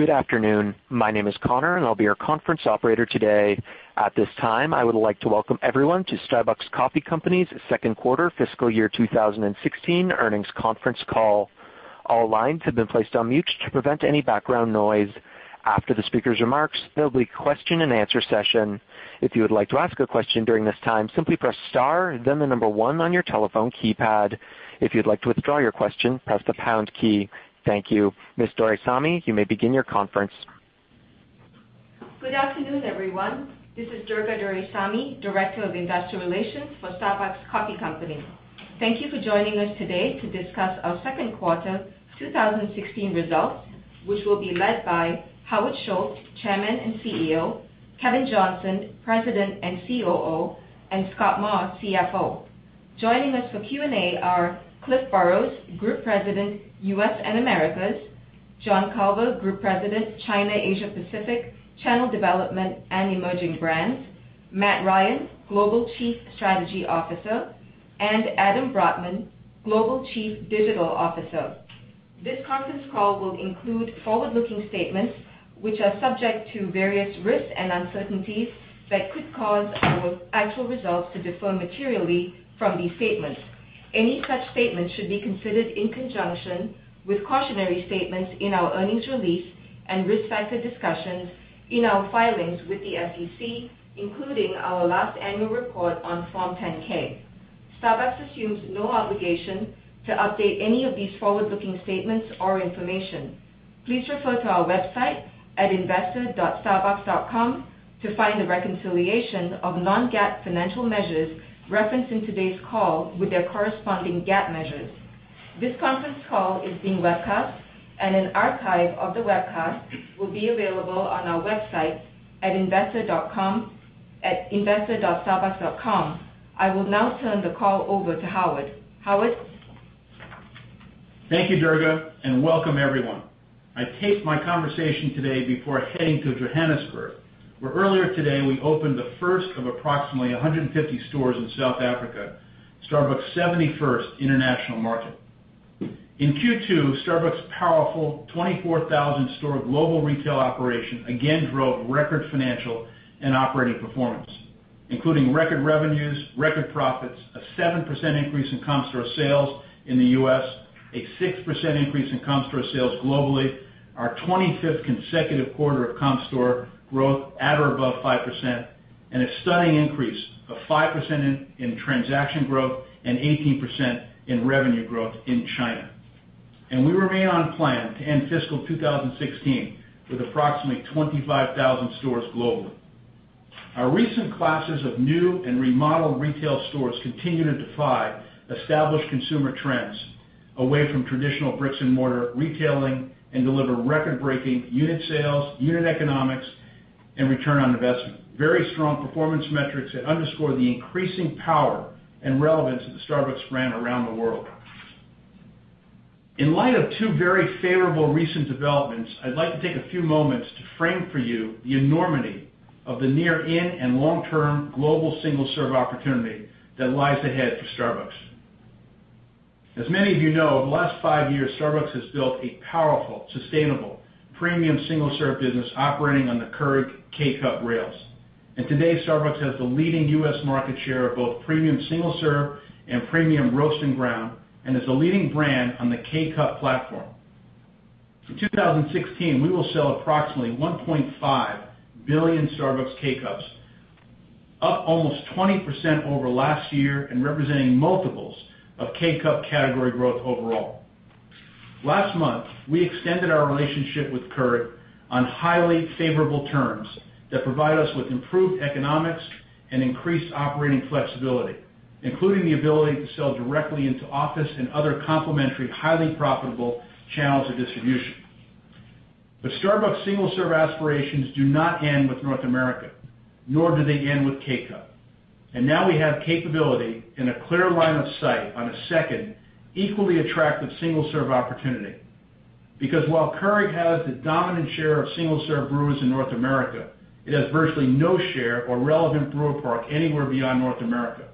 Good afternoon. My name is Connor, and I'll be your conference operator today. At this time, I would like to welcome everyone to Starbucks Coffee Company's second quarter fiscal year 2016 earnings conference call. All lines have been placed on mute to prevent any background noise. After the speaker's remarks, there'll be a question and answer session. If you would like to ask a question during this time, simply press star, then the number 1 on your telephone keypad. If you'd like to withdraw your question, press the pound key. Thank you. Ms. Doraisamy, you may begin your conference. Good afternoon, everyone. This is Durga Doraisamy, Director of Investor Relations for Starbucks Coffee Company. Thank you for joining us today to discuss our second quarter 2016 results, which will be led by Howard Schultz, Chairman and CEO, Kevin Johnson, President and COO, and Scott Maw, CFO. Joining us for Q&A are Cliff Burrows, Group President, U.S. and Americas; John Culver, Group President, China, Asia Pacific, Channel Development, and Emerging Brands; Matt Ryan, Global Chief Strategy Officer; and Adam Brotman, Global Chief Digital Officer. This conference call will include forward-looking statements, which are subject to various risks and uncertainties that could cause our actual results to differ materially from these statements. Any such statements should be considered in conjunction with cautionary statements in our earnings release and risk factor discussions in our filings with the SEC, including our last annual report on Form 10-K. Starbucks assumes no obligation to update any of these forward-looking statements or information. Please refer to our website at investor.starbucks.com to find the reconciliation of non-GAAP financial measures referenced in today's call with their corresponding GAAP measures. This conference call is being webcast, and an archive of the webcast will be available on our website at investor.starbucks.com. I will now turn the call over to Howard. Howard? Thank you, Durga, and welcome everyone. I taped my conversation today before heading to Johannesburg, where earlier today we opened the first of approximately 150 stores in South Africa, Starbucks' 71st international market. In Q2, Starbucks' powerful 24,000-store global retail operation again drove record financial and operating performance, including record revenues, record profits, a 7% increase in comp store sales in the U.S., a 6% increase in comp store sales globally, our 25th consecutive quarter of comp store growth at or above 5%, and a stunning increase of 5% in transaction growth and 18% in revenue growth in China. We remain on plan to end fiscal 2016 with approximately 25,000 stores globally. Our recent classes of new and remodeled retail stores continue to defy established consumer trends away from traditional bricks-and-mortar retailing and deliver record-breaking unit sales, unit economics, and return on investment. Very strong performance metrics that underscore the increasing power and relevance of the Starbucks brand around the world. In light of two very favorable recent developments, I'd like to take a few moments to frame for you the enormity of the near in and long-term global single-serve opportunity that lies ahead for Starbucks. As many of you know, over the last five years, Starbucks has built a powerful, sustainable, premium single-serve business operating on the Keurig K-Cup rails. Today, Starbucks has the leading U.S. market share of both premium single-serve and premium roast and ground, and is a leading brand on the K-Cup platform. In 2016, we will sell approximately $1.5 billion Starbucks K-Cups, up almost 20% over last year and representing multiples of K-Cup category growth overall. Last month, we extended our relationship with Keurig on highly favorable terms that provide us with improved economics and increased operating flexibility, including the ability to sell directly into office and other complementary, highly profitable channels of distribution. Starbucks single-serve aspirations do not end with North America, nor do they end with K-Cup. Now we have capability and a clear line of sight on a second equally attractive single-serve opportunity. Because while Keurig has the dominant share of single-serve brewers in North America, it has virtually no share or relevant brewer park anywhere beyond North America.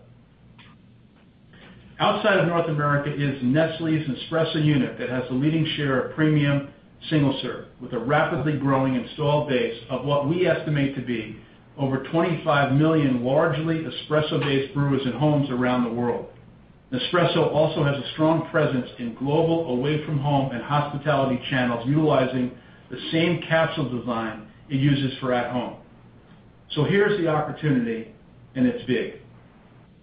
Outside of North America is Nestlé's Nespresso unit that has the leading share of premium single-serve, with a rapidly growing installed base of what we estimate to be over 25 million largely espresso-based brewers in homes around the world. Nespresso also has a strong presence in global away-from-home and hospitality channels, utilizing the same capsule design it uses for at home. Here's the opportunity, and it's big.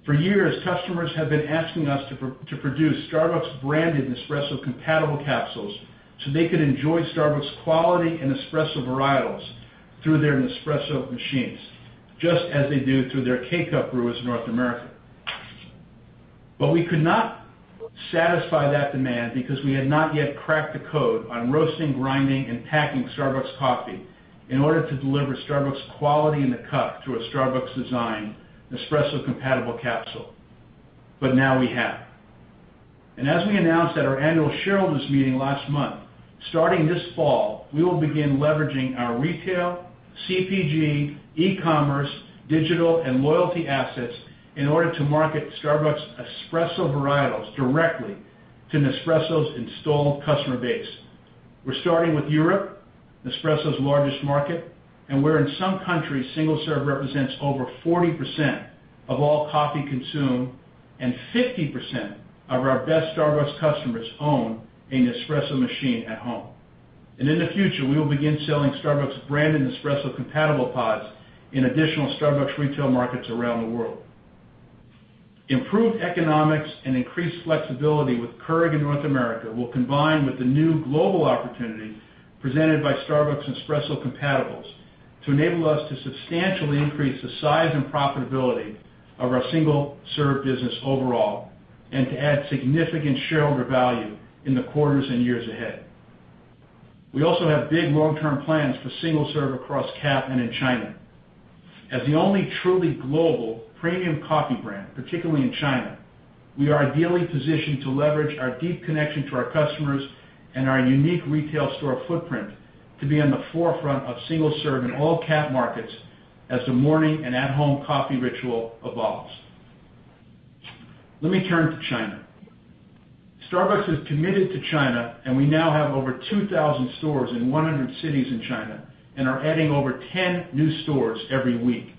For years, customers have been asking us to produce Starbucks-branded Nespresso compatible capsules so they could enjoy Starbucks quality and espresso varietals through their Nespresso machines, just as they do through their K-Cup brewers in North America. We could not satisfy that demand because we had not yet cracked the code on roasting, grinding, and packing Starbucks coffee in order to deliver Starbucks quality in the cup through a Starbucks design Nespresso compatible capsule. Now we have. As we announced at our annual shareholders meeting last month, starting this fall, we will begin leveraging our retail, CPG, e-commerce, digital, and loyalty assets in order to market Starbucks Espresso varietals directly to Nespresso's installed customer base. We're starting with Europe, Nespresso's largest market, and where in some countries, single-serve represents over 40% of all coffee consumed, and 50% of our best Starbucks customers own a Nespresso machine at home. In the future, we will begin selling Starbucks brand and Nespresso compatible pods in additional Starbucks retail markets around the world. Improved economics and increased flexibility with Keurig in North America will combine with the new global opportunity presented by Starbucks Espresso compatibles to enable us to substantially increase the size and profitability of our single-serve business overall, and to add significant shareholder value in the quarters and years ahead. We also have big long-term plans for single-serve across CAP and in China. As the only truly global premium coffee brand, particularly in China, we are ideally positioned to leverage our deep connection to our customers and our unique retail store footprint to be on the forefront of single-serve in all CAP markets as the morning and at-home coffee ritual evolves. Let me turn to China. Starbucks is committed to China, and we now have over 2,000 stores in 100 cities in China and are adding over 10 new stores every week.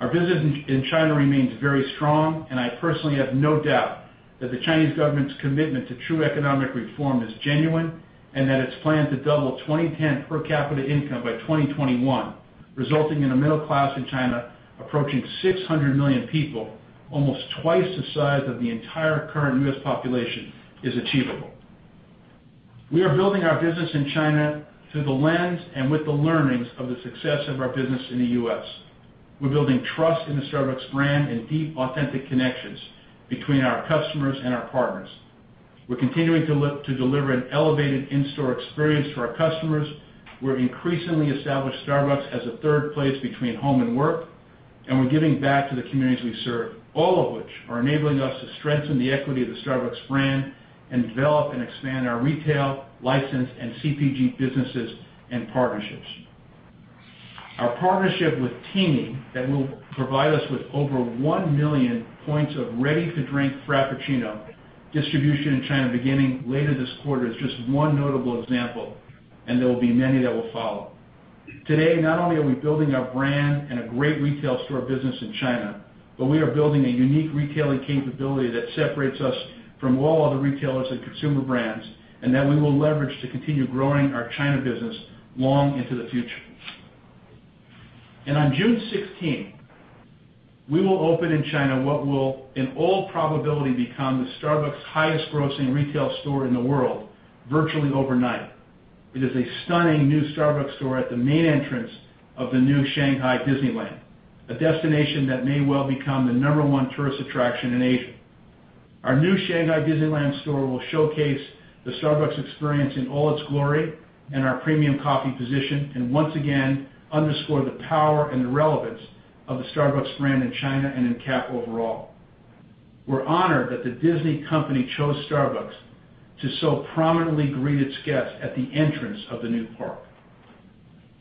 Our business in China remains very strong, and I personally have no doubt that the Chinese government's commitment to true economic reform is genuine, and that its plan to double 2010 per capita income by 2021, resulting in a middle class in China approaching 600 million people, almost twice the size of the entire current U.S. population, is achievable. We are building our business in China through the lens and with the learnings of the success of our business in the U.S. We're building trust in the Starbucks brand and deep, authentic connections between our customers and our partners. We're continuing to deliver an elevated in-store experience for our customers. We've increasingly established Starbucks as a third place between home and work, we're giving back to the communities we serve, all of which are enabling us to strengthen the equity of the Starbucks brand and develop and expand our retail, license, and CPG businesses and partnerships. Our partnership with Tingyi that will provide us with over 1 million points of ready-to-drink Frappuccino distribution in China beginning later this quarter is just one notable example, and there will be many that will follow. Today, not only are we building our brand and a great retail store business in China, but we are building a unique retailing capability that separates us from all other retailers and consumer brands, that we will leverage to continue growing our China business long into the future. On June 16, we will open in China what will, in all probability, become the Starbucks highest grossing retail store in the world virtually overnight. It is a stunning new Starbucks store at the main entrance of the new Shanghai Disneyland, a destination that may well become the number 1 tourist attraction in Asia. Our new Shanghai Disneyland store will showcase the Starbucks experience in all its glory and our premium coffee position, once again underscore the power and relevance of the Starbucks brand in China and in CAP overall. We're honored that the Disney company chose Starbucks to so prominently greet its guests at the entrance of the new park.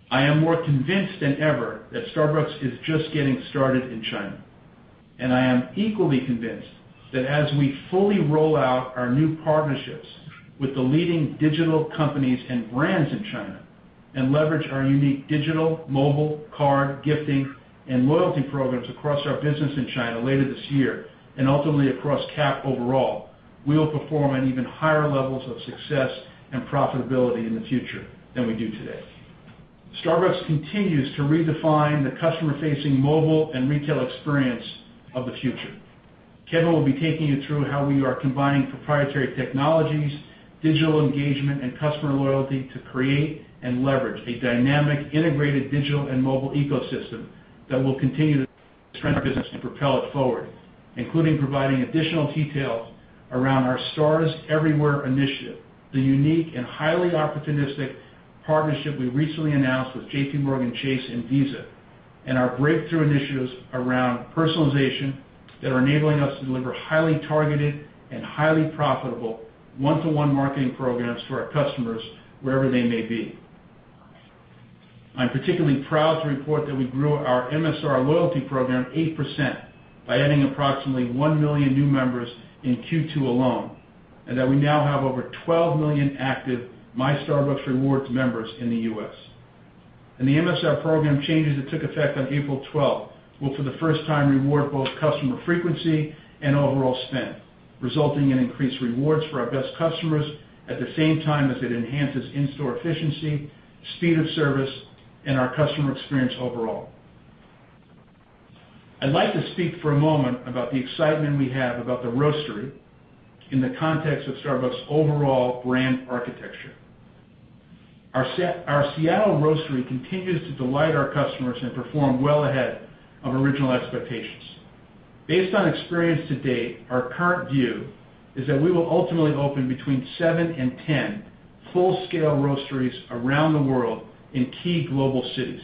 I am more convinced than ever that Starbucks is just getting started in China, I am equally convinced that as we fully roll out our new partnerships with the leading digital companies and brands in China and leverage our unique digital, mobile, card, gifting, and loyalty programs across our business in China later this year, ultimately across CAP overall, we will perform at even higher levels of success and profitability in the future than we do today. Starbucks continues to redefine the customer-facing mobile and retail experience of the future. Kevin will be taking you through how we are combining proprietary technologies, digital engagement, and customer loyalty to create and leverage a dynamic, integrated digital and mobile ecosystem that will continue to strengthen our business and propel it forward, including providing additional details around our Stars Everywhere initiative, the unique and highly opportunistic partnership we recently announced with JPMorgan Chase and Visa, and our breakthrough initiatives around personalization that are enabling us to deliver highly targeted and highly profitable one-to-one marketing programs to our customers wherever they may be. I'm particularly proud to report that we grew our MSR loyalty program 8% by adding approximately 1 million new members in Q2 alone, and that we now have over 12 million active My Starbucks Rewards members in the U.S. The MSR program changes that took effect on April 12th will for the first time reward both customer frequency and overall spend, resulting in increased rewards for our best customers at the same time as it enhances in-store efficiency, speed of service, and our customer experience overall. I'd like to speak for a moment about the excitement we have about the Roastery in the context of Starbucks' overall brand architecture. Our Seattle Roastery continues to delight our customers and perform well ahead of original expectations. Based on experience to date, our current view is that we will ultimately open between seven and 10 full-scale roasteries around the world in key global cities.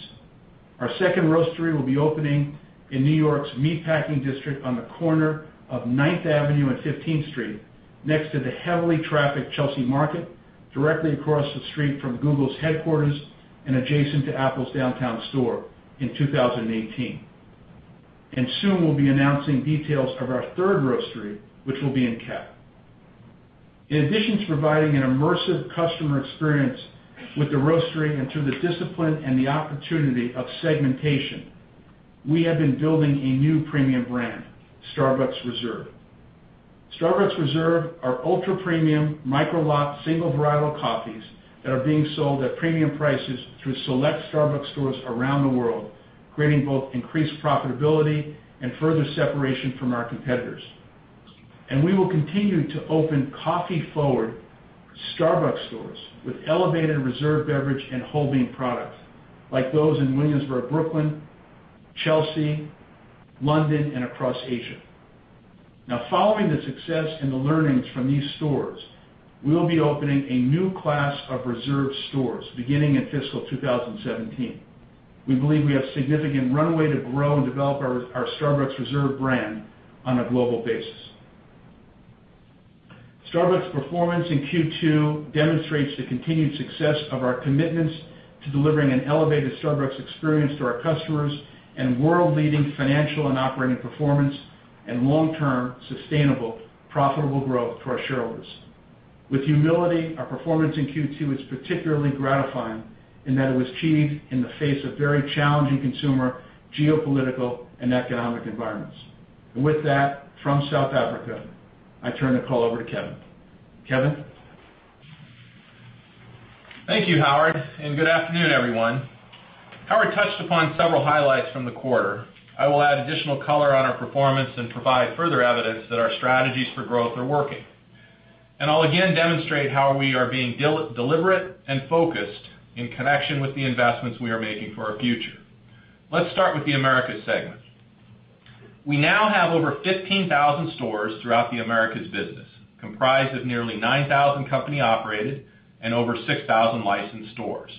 Our second roastery will be opening in New York's Meatpacking District on the corner of Ninth Avenue and 15th Street, next to the heavily trafficked Chelsea Market, directly across the street from Google's headquarters, and adjacent to Apple's downtown store in 2018. Soon we'll be announcing details of our third roastery, which will be in CAP. In addition to providing an immersive customer experience with the roastery and through the discipline and the opportunity of segmentation, we have been building a new premium brand, Starbucks Reserve. Starbucks Reserve are ultra-premium, micro lot, single varietal coffees that are being sold at premium prices through select Starbucks stores around the world, creating both increased profitability and further separation from our competitors. We will continue to open coffee-forward Starbucks stores with elevated Reserve beverage and whole bean products like those in Williamsburg, Brooklyn, Chelsea, London, and across Asia. Now following the success and the learnings from these stores, we will be opening a new class of Reserve stores beginning in fiscal 2017. We believe we have significant runway to grow and develop our Starbucks Reserve brand on a global basis. Starbucks' performance in Q2 demonstrates the continued success of our commitments to delivering an elevated Starbucks Experience to our customers and world-leading financial and operating performance, and long-term sustainable, profitable growth for our shareholders. With humility, our performance in Q2 is particularly gratifying in that it was achieved in the face of very challenging consumer, geopolitical, and economic environments. With that, from South Africa, I turn the call over to Kevin. Kevin? Thank you, Howard, and good afternoon, everyone. Howard touched upon several highlights from the quarter. I will add additional color on our performance and provide further evidence that our strategies for growth are working. I'll again demonstrate how we are being deliberate and focused in connection with the investments we are making for our future. Let's start with the Americas segment. We now have over 15,000 stores throughout the Americas business, comprised of nearly 9,000 company-operated and over 6,000 licensed stores.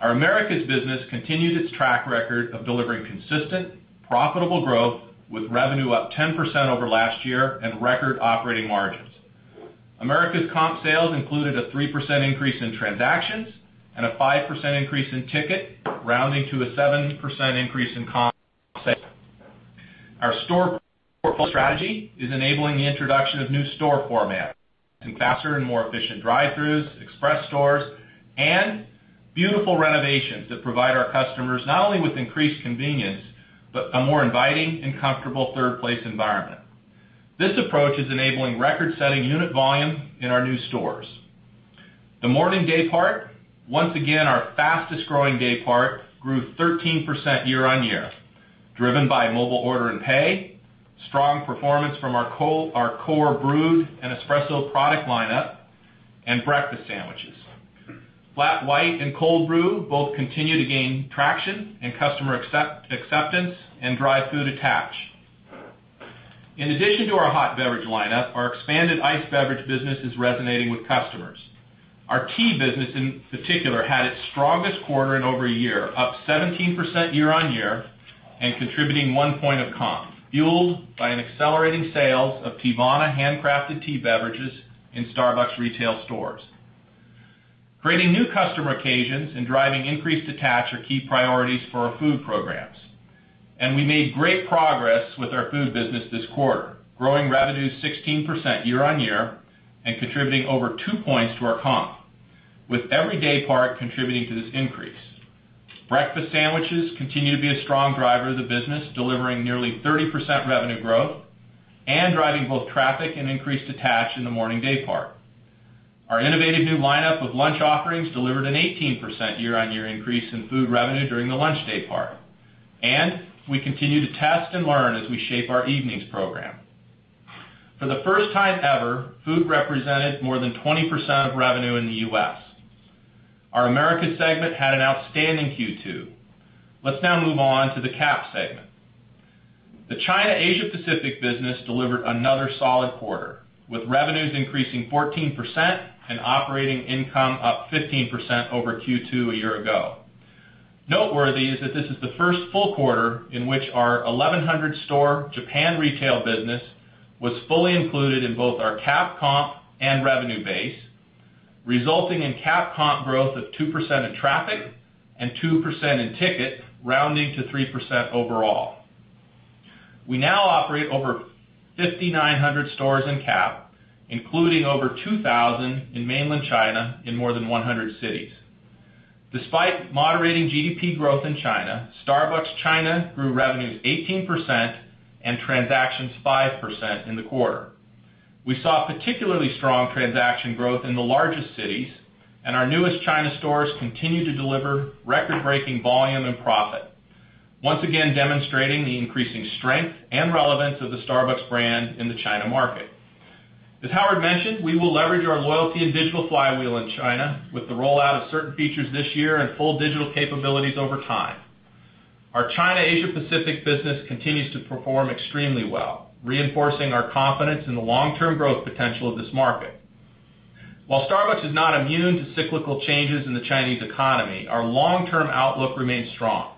Our Americas business continued its track record of delivering consistent, profitable growth with revenue up 10% over last year and record operating margins. Americas comp sales included a 3% increase in transactions and a 5% increase in ticket, rounding to a 7% increase in comp sales. Our store portfolio strategy is enabling the introduction of new store formats and faster and more efficient drive-throughs, express stores, and beautiful renovations that provide our customers not only with increased convenience, but a more inviting and comfortable third place environment. This approach is enabling record-setting unit volume in our new stores. The morning day part, once again, our fastest-growing day part grew 13% year-on-year, driven by mobile order and pay, strong performance from our core brewed and espresso product lineup, and breakfast sandwiches. Flat White and Cold Brew both continue to gain traction and customer acceptance and drive food attach. In addition to our hot beverage lineup, our expanded iced beverage business is resonating with customers. Our tea business, in particular, had its strongest quarter in over a year, up 17% year-on-year and contributing one point of comp, fueled by an accelerating sales of Teavana handcrafted tea beverages in Starbucks retail stores. Creating new customer occasions and driving increased attach are key priorities for our food programs. We made great progress with our food business this quarter, growing revenue 16% year-on-year and contributing over two points to our comp. With every day part contributing to this increase. Breakfast sandwiches continue to be a strong driver of the business, delivering nearly 30% revenue growth and driving both traffic and increased attach in the morning day part. Our innovative new lineup of lunch offerings delivered an 18% year-on-year increase in food revenue during the lunch day part. We continue to test and learn as we shape our evenings program. For the first time ever, food represented more than 20% of revenue in the U.S. Our Americas segment had an outstanding Q2. Let's now move on to the CAP segment. The China Asia Pacific business delivered another solid quarter, with revenues increasing 14% and operating income up 15% over Q2 a year ago. Noteworthy is that this is the first full quarter in which our 1,100-store Japan retail business was fully included in both our CAP comp and revenue base, resulting in CAP comp growth of 2% in traffic and 2% in ticket, rounding to 3% overall. We now operate over 5,900 stores in CAP, including over 2,000 in mainland China in more than 100 cities. Despite moderating GDP growth in China, Starbucks China grew revenues 18% and transactions 5% in the quarter. We saw particularly strong transaction growth in the largest cities. Our newest China stores continue to deliver record-breaking volume and profit, once again demonstrating the increasing strength and relevance of the Starbucks brand in the China market. As Howard mentioned, we will leverage our loyalty and digital flywheel in China with the rollout of certain features this year and full digital capabilities over time. Our China Asia Pacific business continues to perform extremely well, reinforcing our confidence in the long-term growth potential of this market. While Starbucks is not immune to cyclical changes in the Chinese economy, our long-term outlook remains strong,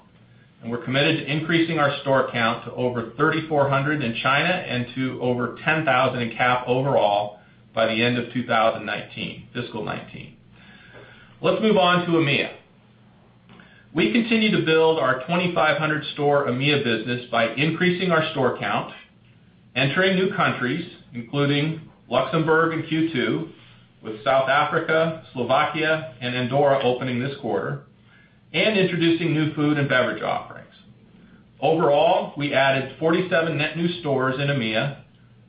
and we're committed to increasing our store count to over 3,400 in China and to over 10,000 in CAP overall by the end of 2019, fiscal 2019. Let's move on to EMEA. We continue to build our 2,500 store EMEA business by increasing our store count, entering new countries, including Luxembourg in Q2, with South Africa, Slovakia, and Andorra opening this quarter, and introducing new food and beverage offerings. Overall, we added 47 net new stores in EMEA,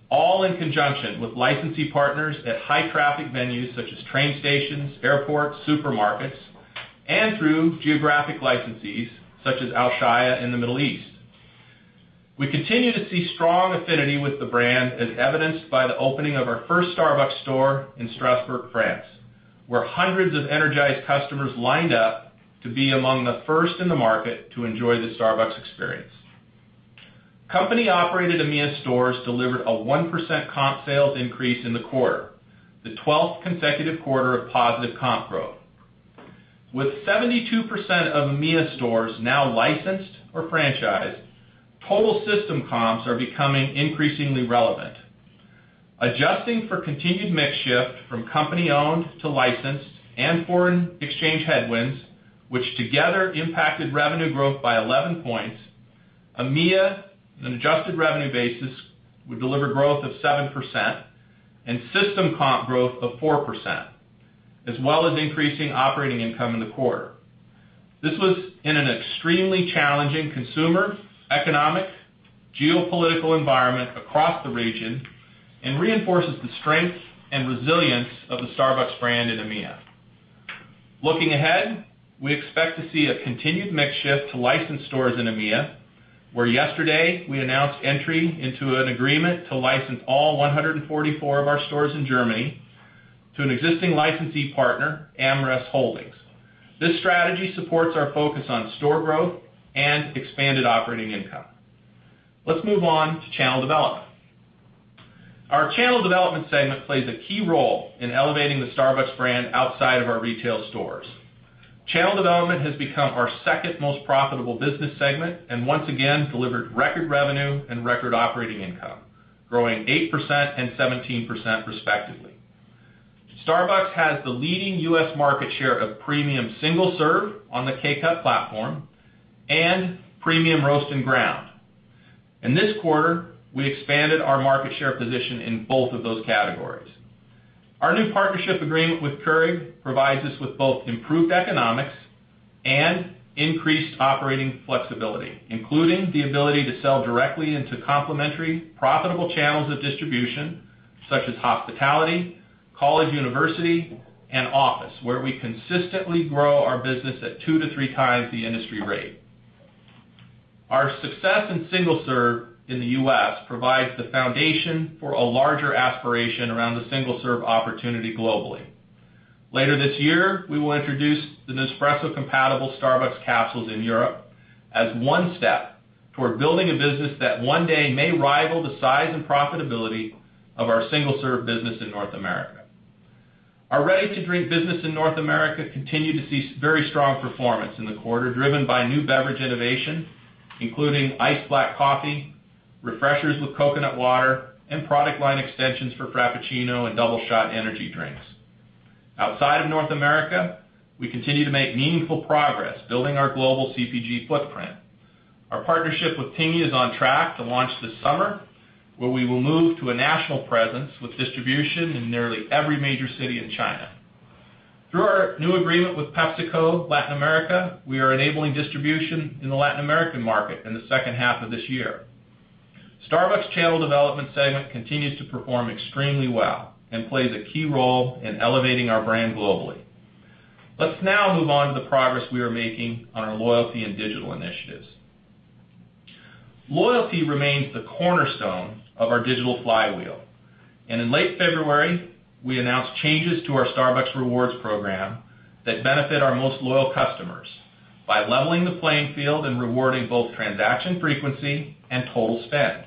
all in conjunction with licensee partners at high-traffic venues such as train stations, airports, supermarkets, and through geographic licensees such as Alshaya in the Middle East. We continue to see strong affinity with the brand as evidenced by the opening of our first Starbucks store in Strasbourg, France, where hundreds of energized customers lined up to be among the first in the market to enjoy the Starbucks experience. Company-operated EMEA stores delivered a 1% comp sales increase in the quarter, the 12th consecutive quarter of positive comp growth. With 72% of EMEA stores now licensed or franchised, total system comps are becoming increasingly relevant. Adjusting for continued mix shift from company-owned to licensed and foreign exchange headwinds, which together impacted revenue growth by 11 points, EMEA, on an adjusted revenue basis, would deliver growth of 7% and system comp growth of 4%, as well as increasing operating income in the quarter. This was in an extremely challenging consumer, economic, geopolitical environment across the region and reinforces the strength and resilience of the Starbucks brand in EMEA. Looking ahead, we expect to see a continued mix shift to licensed stores in EMEA, where yesterday we announced entry into an agreement to license all 144 of our stores in Germany to an existing licensee partner, AmRest Holdings. This strategy supports our focus on store growth and expanded operating income. Let's move on to Channel Development. Our Channel Development segment plays a key role in elevating the Starbucks brand outside of our retail stores. Channel Development has become our second most profitable business segment. Once again, delivered record revenue and record operating income, growing 8% and 17% respectively. Starbucks has the leading U.S. market share of premium single-serve on the K-Cup platform and premium roast and ground. In this quarter, we expanded our market share position in both of those categories. Our new partnership agreement with Keurig provides us with both improved economics and increased operating flexibility, including the ability to sell directly into complementary, profitable channels of distribution such as hospitality, college university, and office, where we consistently grow our business at two to three times the industry rate. Our success in single-serve in the U.S. provides the foundation for a larger aspiration around the single-serve opportunity globally. Later this year, we will introduce the Nespresso-compatible Starbucks capsules in Europe as one step toward building a business that one day may rival the size and profitability of our single-serve business in North America. Our ready-to-drink business in North America continued to see very strong performance in the quarter, driven by new beverage innovation, including iced black coffee, Refreshers with coconut water, and product line extensions for Frappuccino and Doubleshot energy drinks. Outside of North America, we continue to make meaningful progress building our global CPG footprint. Our partnership with Tingyi is on track to launch this summer, where we will move to a national presence with distribution in nearly every major city in China. Through our new agreement with PepsiCo Latin America, we are enabling distribution in the Latin American market in the second half of this year. Starbucks' channel development segment continues to perform extremely well and plays a key role in elevating our brand globally. Let's now move on to the progress we are making on our loyalty and digital initiatives. Loyalty remains the cornerstone of our digital flywheel, and in late February, we announced changes to our Starbucks Rewards program that benefit our most loyal customers by leveling the playing field and rewarding both transaction frequency and total spend.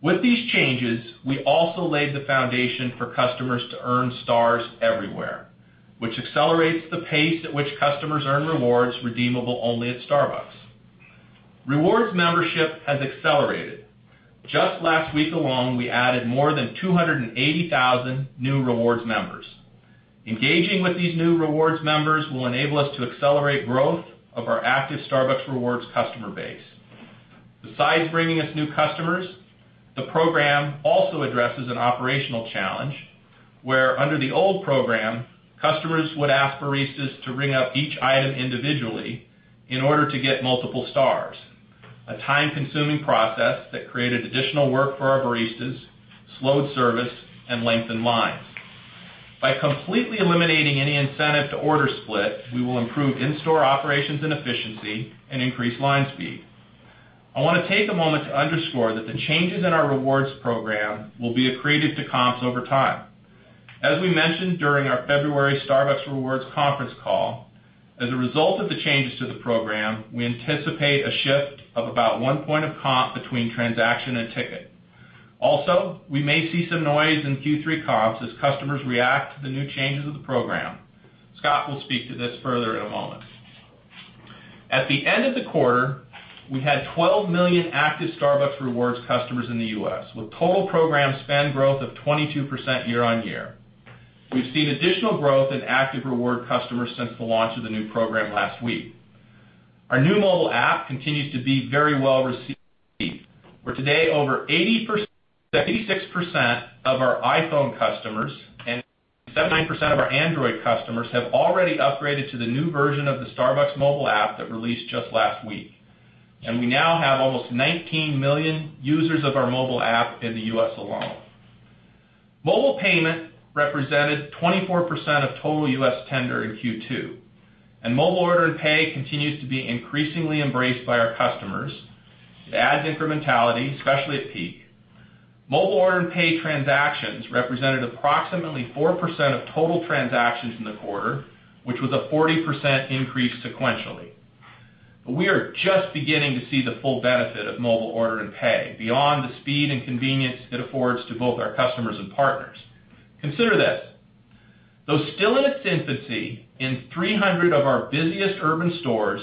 With these changes, we also laid the foundation for customers to earn Stars Everywhere, which accelerates the pace at which customers earn rewards redeemable only at Starbucks. Rewards membership has accelerated. Just last week alone, we added more than 280,000 new Rewards members. Engaging with these new Rewards members will enable us to accelerate growth of our active Starbucks Rewards customer base. Besides bringing us new customers, the program also addresses an operational challenge where under the old program, customers would ask baristas to ring up each item individually in order to get multiple stars, a time-consuming process that created additional work for our baristas, slowed service, and lengthened lines. By completely eliminating any incentive to order split, we will improve in-store operations and efficiency and increase line speed. I want to take a moment to underscore that the changes in our Rewards program will be accretive to comps over time. As we mentioned during our February Starbucks Rewards conference call, as a result of the changes to the program, we anticipate a shift of about one point of comp between transaction and ticket. Also, we may see some noise in Q3 comps as customers react to the new changes of the program. Scott will speak to this further in a moment. At the end of the quarter, we had 12 million active Starbucks Rewards customers in the U.S., with total program spend growth of 22% year-on-year. We've seen additional growth in active reward customers since the launch of the new program last week. Our new mobile app continues to be very well-received, where today over 86% of our iPhone customers and 79% of our Android customers have already upgraded to the new version of the Starbucks mobile app that released just last week. And we now have almost 19 million users of our mobile app in the U.S. alone. Mobile payment represented 24% of total U.S. tender in Q2, and mobile order and pay continues to be increasingly embraced by our customers. It adds incrementality, especially at peak. Mobile order and pay transactions represented approximately 4% of total transactions in the quarter, which was a 40% increase sequentially. We are just beginning to see the full benefit of mobile order and pay beyond the speed and convenience it affords to both our customers and partners. Consider this, though still in its infancy, in 300 of our busiest urban stores,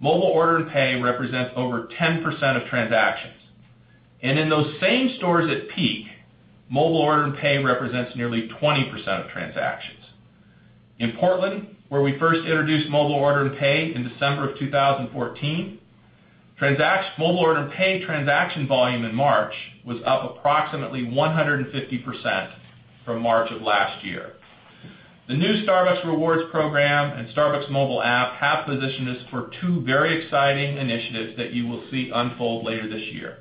mobile order and pay represents over 10% of transactions. In those same stores at peak, mobile order and pay represents nearly 20% of transactions. In Portland, where we first introduced mobile order and pay in December of 2014, mobile order and pay transaction volume in March was up approximately 150% from March of last year. The new Starbucks Rewards program and Starbucks mobile app have positioned us for two very exciting initiatives that you will see unfold later this year.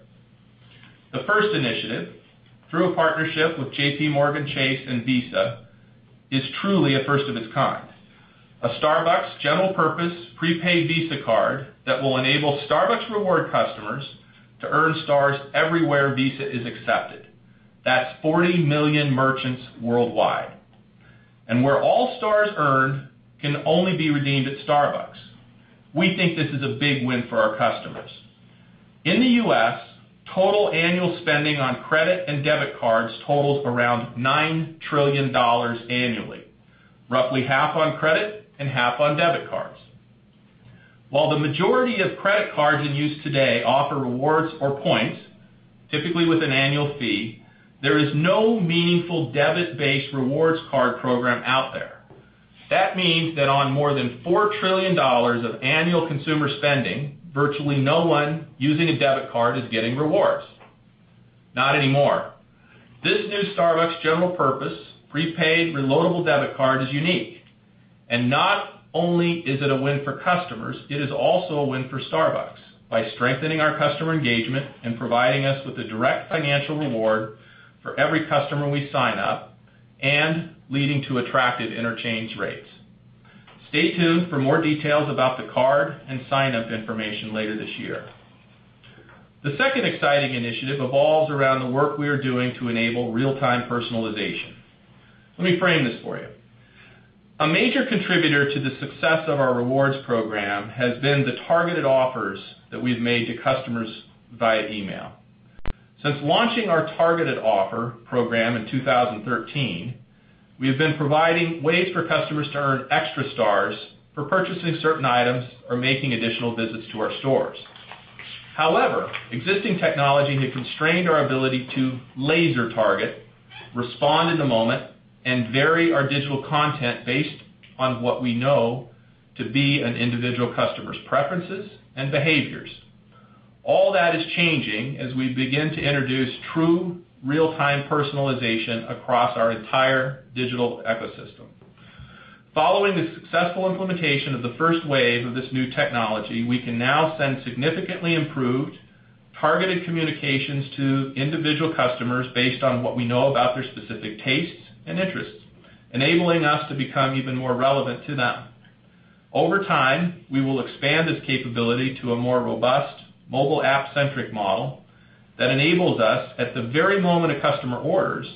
The first initiative, through a partnership with JPMorgan Chase and Visa, is truly a first of its kind. A Starbucks general purpose prepaid Visa card that will enable Starbucks Rewards customers to earn Stars Everywhere Visa is accepted. That's 40 million merchants worldwide. Where all stars earned can only be redeemed at Starbucks. We think this is a big win for our customers. In the U.S., total annual spending on credit and debit cards totals around $9 trillion annually, roughly half on credit and half on debit cards. While the majority of credit cards in use today offer rewards or points, typically with an annual fee, there is no meaningful debit-based rewards card program out there. That means that on more than $4 trillion of annual consumer spending, virtually no one using a debit card is getting rewards. Not anymore. This new Starbucks general purpose prepaid reloadable debit card is unique. Not only is it a win for customers, it is also a win for Starbucks by strengthening our customer engagement and providing us with a direct financial reward for every customer we sign up and leading to attractive interchange rates. Stay tuned for more details about the card and sign-up information later this year. The second exciting initiative evolves around the work we are doing to enable real-time personalization. Let me frame this for you. A major contributor to the success of our Rewards program has been the targeted offers that we've made to customers via email. Since launching our targeted offer program in 2013, we have been providing ways for customers to earn extra stars for purchasing certain items or making additional visits to our stores. Existing technology had constrained our ability to laser-target, respond in the moment, and vary our digital content based on what we know to be an individual customer's preferences and behaviors. All that is changing as we begin to introduce true real-time personalization across our entire digital ecosystem. Following the successful implementation of the first wave of this new technology, we can now send significantly improved targeted communications to individual customers based on what we know about their specific tastes and interests, enabling us to become even more relevant to them. Over time, we will expand this capability to a more robust mobile app-centric model that enables us, at the very moment a customer orders,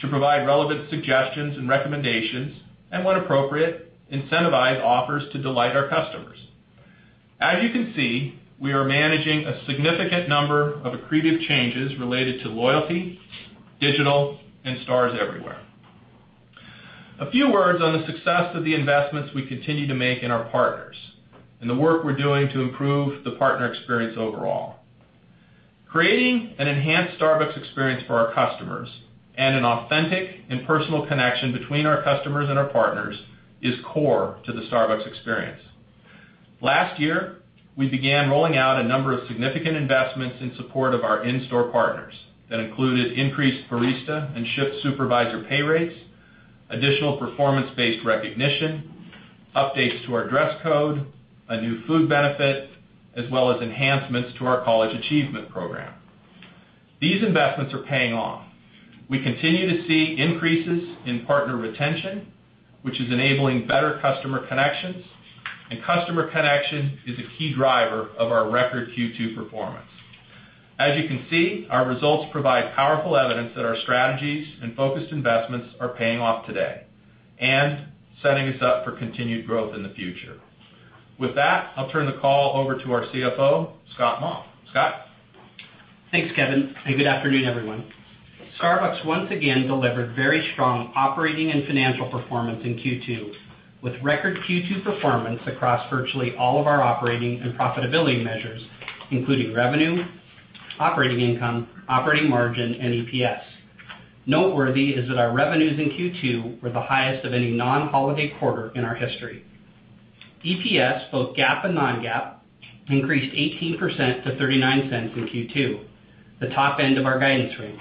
to provide relevant suggestions and recommendations, and when appropriate, incentivize offers to delight our customers. As you can see, we are managing a significant number of accretive changes related to loyalty, digital, and Stars Everywhere. A few words on the success of the investments we continue to make in our partners and the work we're doing to improve the partner experience overall. Creating an enhanced Starbucks experience for our customers and an authentic and personal connection between our customers and our partners is core to the Starbucks experience. Last year, we began rolling out a number of significant investments in support of our in-store partners that included increased barista and shift supervisor pay rates, additional performance-based recognition, updates to our dress code, a new food benefit, as well as enhancements to our College Achievement Program. These investments are paying off. We continue to see increases in partner retention, which is enabling better customer connections, and customer connection is a key driver of our record Q2 performance. As you can see, our results provide powerful evidence that our strategies and focused investments are paying off today and setting us up for continued growth in the future. With that, I'll turn the call over to our CFO, Scott Maw. Scott? Thanks, Kevin. Good afternoon, everyone. Starbucks once again delivered very strong operating and financial performance in Q2, with record Q2 performance across virtually all of our operating and profitability measures, including revenue, operating income, operating margin, and EPS. Noteworthy is that our revenues in Q2 were the highest of any non-holiday quarter in our history. EPS, both GAAP and non-GAAP, increased 18% to $0.39 in Q2, the top end of our guidance range.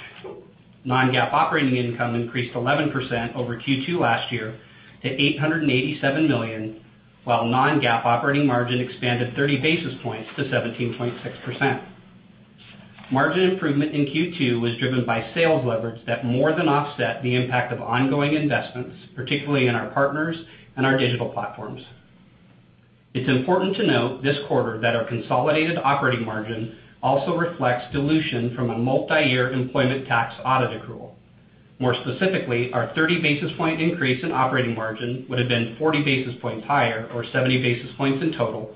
Non-GAAP operating income increased 11% over Q2 last year to $887 million, while non-GAAP operating margin expanded 30 basis points to 17.6%. Margin improvement in Q2 was driven by sales leverage that more than offset the impact of ongoing investments, particularly in our partners and our digital platforms. It's important to note this quarter that our consolidated operating margin also reflects dilution from a multi-year employment tax audit accrual. More specifically, our 30-basis-point increase in operating margin would have been 40 basis points higher, or 70 basis points in total.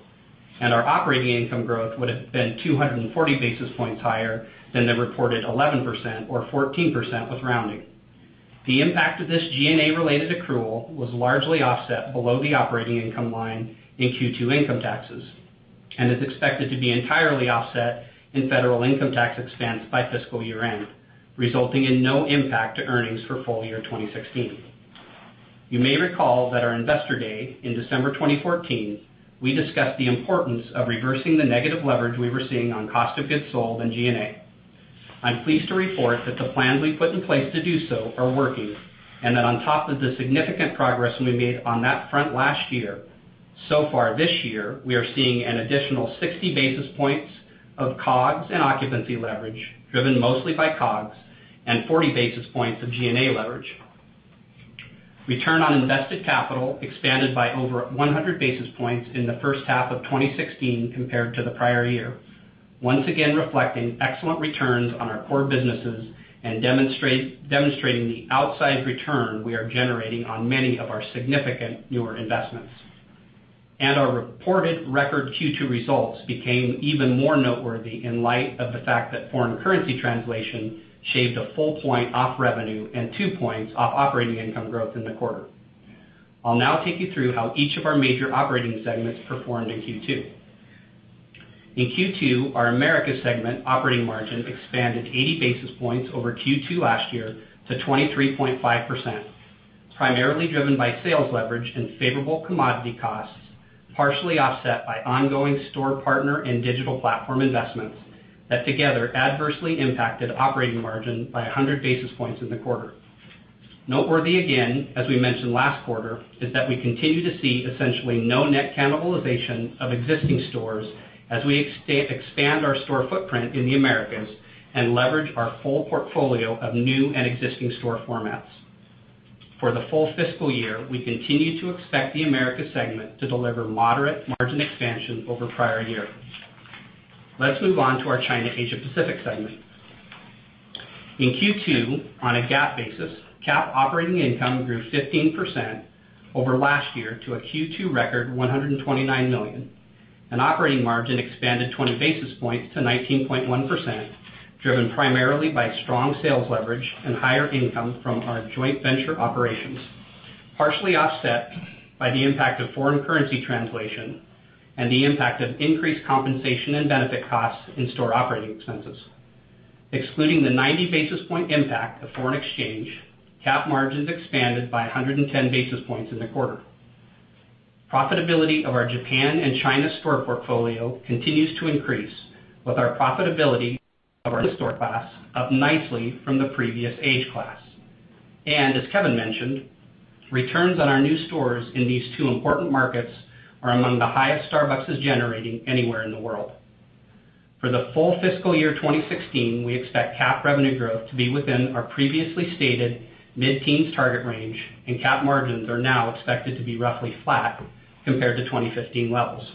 Our operating income growth would have been 240 basis points higher than the reported 11%, or 14% with rounding. The impact of this G&A-related accrual was largely offset below the operating income line in Q2 income taxes and is expected to be entirely offset in federal income tax expense by fiscal year-end, resulting in no impact to earnings for full year 2016. You may recall that our Investor Day in December 2014, we discussed the importance of reversing the negative leverage we were seeing on cost of goods sold and G&A. I'm pleased to report that the plans we put in place to do so are working, and that on top of the significant progress we made on that front last year, so far this year, we are seeing an additional 60 basis points of COGS and occupancy leverage, driven mostly by COGS, and 40 basis points of G&A leverage. Return on invested capital expanded by over 100 basis points in the first half of 2016 compared to the prior year. Once again reflecting excellent returns on our core businesses and demonstrating the outsized return we are generating on many of our significant newer investments. Our reported record Q2 results became even more noteworthy in light of the fact that foreign currency translation shaved a full point off revenue and two points off operating income growth in the quarter. I'll now take you through how each of our major operating segments performed in Q2. In Q2, our Americas segment operating margin expanded 80 basis points over Q2 last year to 23.5%, primarily driven by sales leverage and favorable commodity costs, partially offset by ongoing store partner and digital platform investments that together adversely impacted operating margin by 100 basis points in the quarter. Noteworthy again, as we mentioned last quarter, is that we continue to see essentially no net cannibalization of existing stores as we expand our store footprint in the Americas and leverage our full portfolio of new and existing store formats. For the full fiscal year, we continue to expect the Americas segment to deliver moderate margin expansion over prior years. Let's move on to our China Asia-Pacific segment. In Q2, on a GAAP basis, CAP operating income grew 15% over last year to a Q2 record $129 million, and operating margin expanded 20 basis points to 19.1%, driven primarily by strong sales leverage and higher income from our joint venture operations, partially offset by the impact of foreign currency translation and the impact of increased compensation and benefit costs in store operating expenses. Excluding the 90-basis-point impact of foreign exchange, CAP margins expanded by 110 basis points in the quarter. Profitability of our Japan and China store portfolio continues to increase, with our profitability of our store class up nicely from the previous age class. As Kevin mentioned, returns on our new stores in these two important markets are among the highest Starbucks is generating anywhere in the world. For the full fiscal year 2016, we expect CAP revenue growth to be within our previously stated mid-teens target range, and CAP margins are now expected to be roughly flat compared to 2015 levels.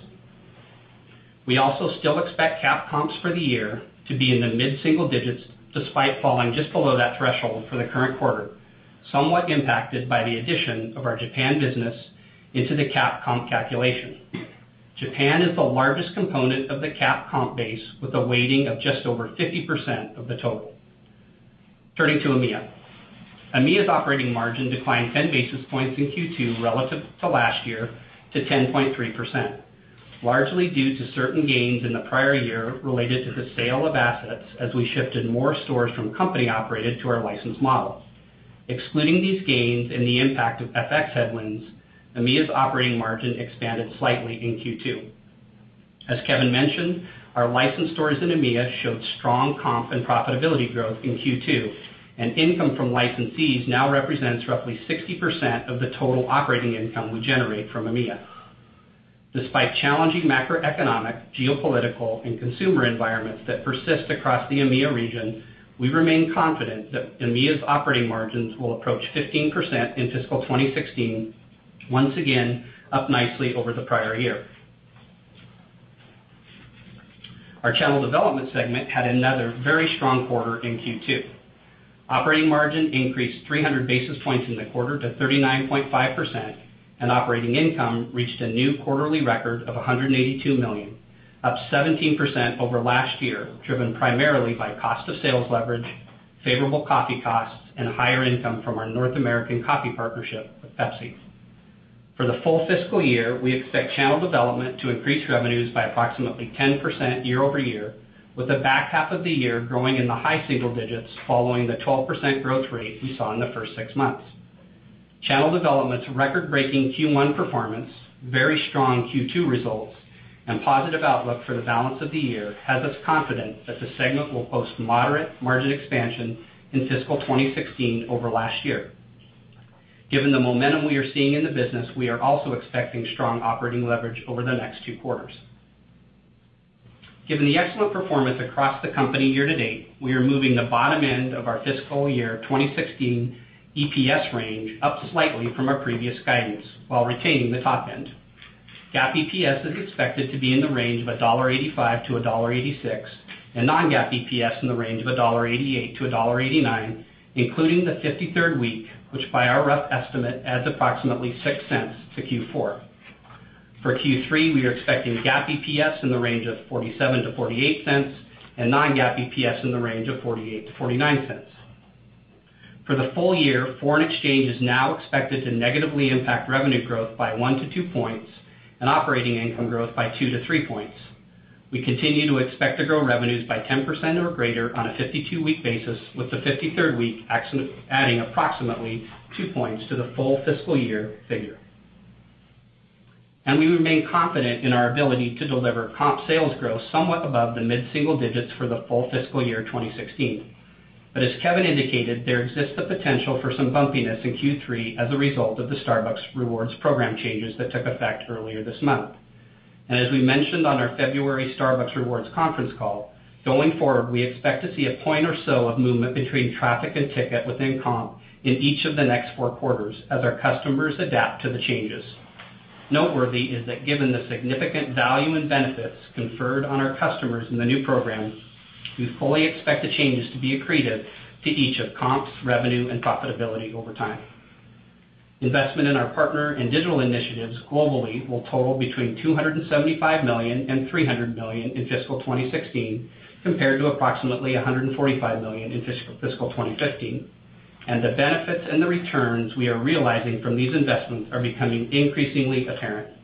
We also still expect CAP comps for the year to be in the mid-single digits, despite falling just below that threshold for the current quarter, somewhat impacted by the addition of our Japan business into the CAP comp calculation. Japan is the largest component of the CAP comp base, with a weighting of just over 50% of the total. Turning to EMEA. EMEA's operating margin declined 10 basis points in Q2 relative to last year to 10.3%, largely due to certain gains in the prior year related to the sale of assets as we shifted more stores from company-operated to our licensed model. Excluding these gains and the impact of FX headwinds, EMEA's operating margin expanded slightly in Q2. As Kevin mentioned, our licensed stores in EMEA showed strong comp and profitability growth in Q2, and income from licensees now represents roughly 60% of the total operating income we generate from EMEA. Despite challenging macroeconomic, geopolitical, and consumer environments that persist across the EMEA region, we remain confident that EMEA's operating margins will approach 15% in fiscal 2016. Once again, up nicely over the prior year. Our channel development segment had another very strong quarter in Q2. Operating margin increased 300 basis points in the quarter to 39.5%, and operating income reached a new quarterly record of $182 million, up 17% over last year, driven primarily by cost of sales leverage, favorable coffee costs, and higher income from our North American coffee partnership with PepsiCo. For the full fiscal year, we expect channel development to increase revenues by approximately 10% year-over-year, with the back half of the year growing in the high single digits following the 12% growth rate we saw in the first six months. Channel development's record-breaking Q1 performance, very strong Q2 results, and positive outlook for the balance of the year has us confident that the segment will post moderate margin expansion in fiscal 2016 over last year. Given the momentum we are seeing in the business, we are also expecting strong operating leverage over the next two quarters. Given the excellent performance across the company year-to-date, we are moving the bottom end of our fiscal year 2016 EPS range up slightly from our previous guidance while retaining the top end. GAAP EPS is expected to be in the range of $1.85-$1.86, and non-GAAP EPS in the range of $1.88-$1.89, including the 53rd week, which by our rough estimate adds approximately $0.06 to Q4. For Q3, we are expecting GAAP EPS in the range of $0.47-$0.48, and non-GAAP EPS in the range of $0.48-$0.49. For the full year, foreign exchange is now expected to negatively impact revenue growth by one to two points and operating income growth by two to three points. We continue to expect to grow revenues by 10% or greater on a 52-week basis, with the 53rd week adding approximately two points to the full fiscal year figure. We remain confident in our ability to deliver comp sales growth somewhat above the mid-single digits for the full fiscal year 2016. As Kevin indicated, there exists the potential for some bumpiness in Q3 as a result of the Starbucks Rewards program changes that took effect earlier this month. As we mentioned on our February Starbucks Rewards conference call, going forward, we expect to see a point or so of movement between traffic and ticket within comp in each of the next four quarters as our customers adapt to the changes. Noteworthy is that given the significant value and benefits conferred on our customers in the new program, we fully expect the changes to be accretive to each of comps, revenue, and profitability over time. Investment in our partner and digital initiatives globally will total between $275 million-$300 million in fiscal 2016, compared to approximately $145 million in fiscal 2015, and the benefits and the returns we are realizing from these investments are becoming increasingly apparent.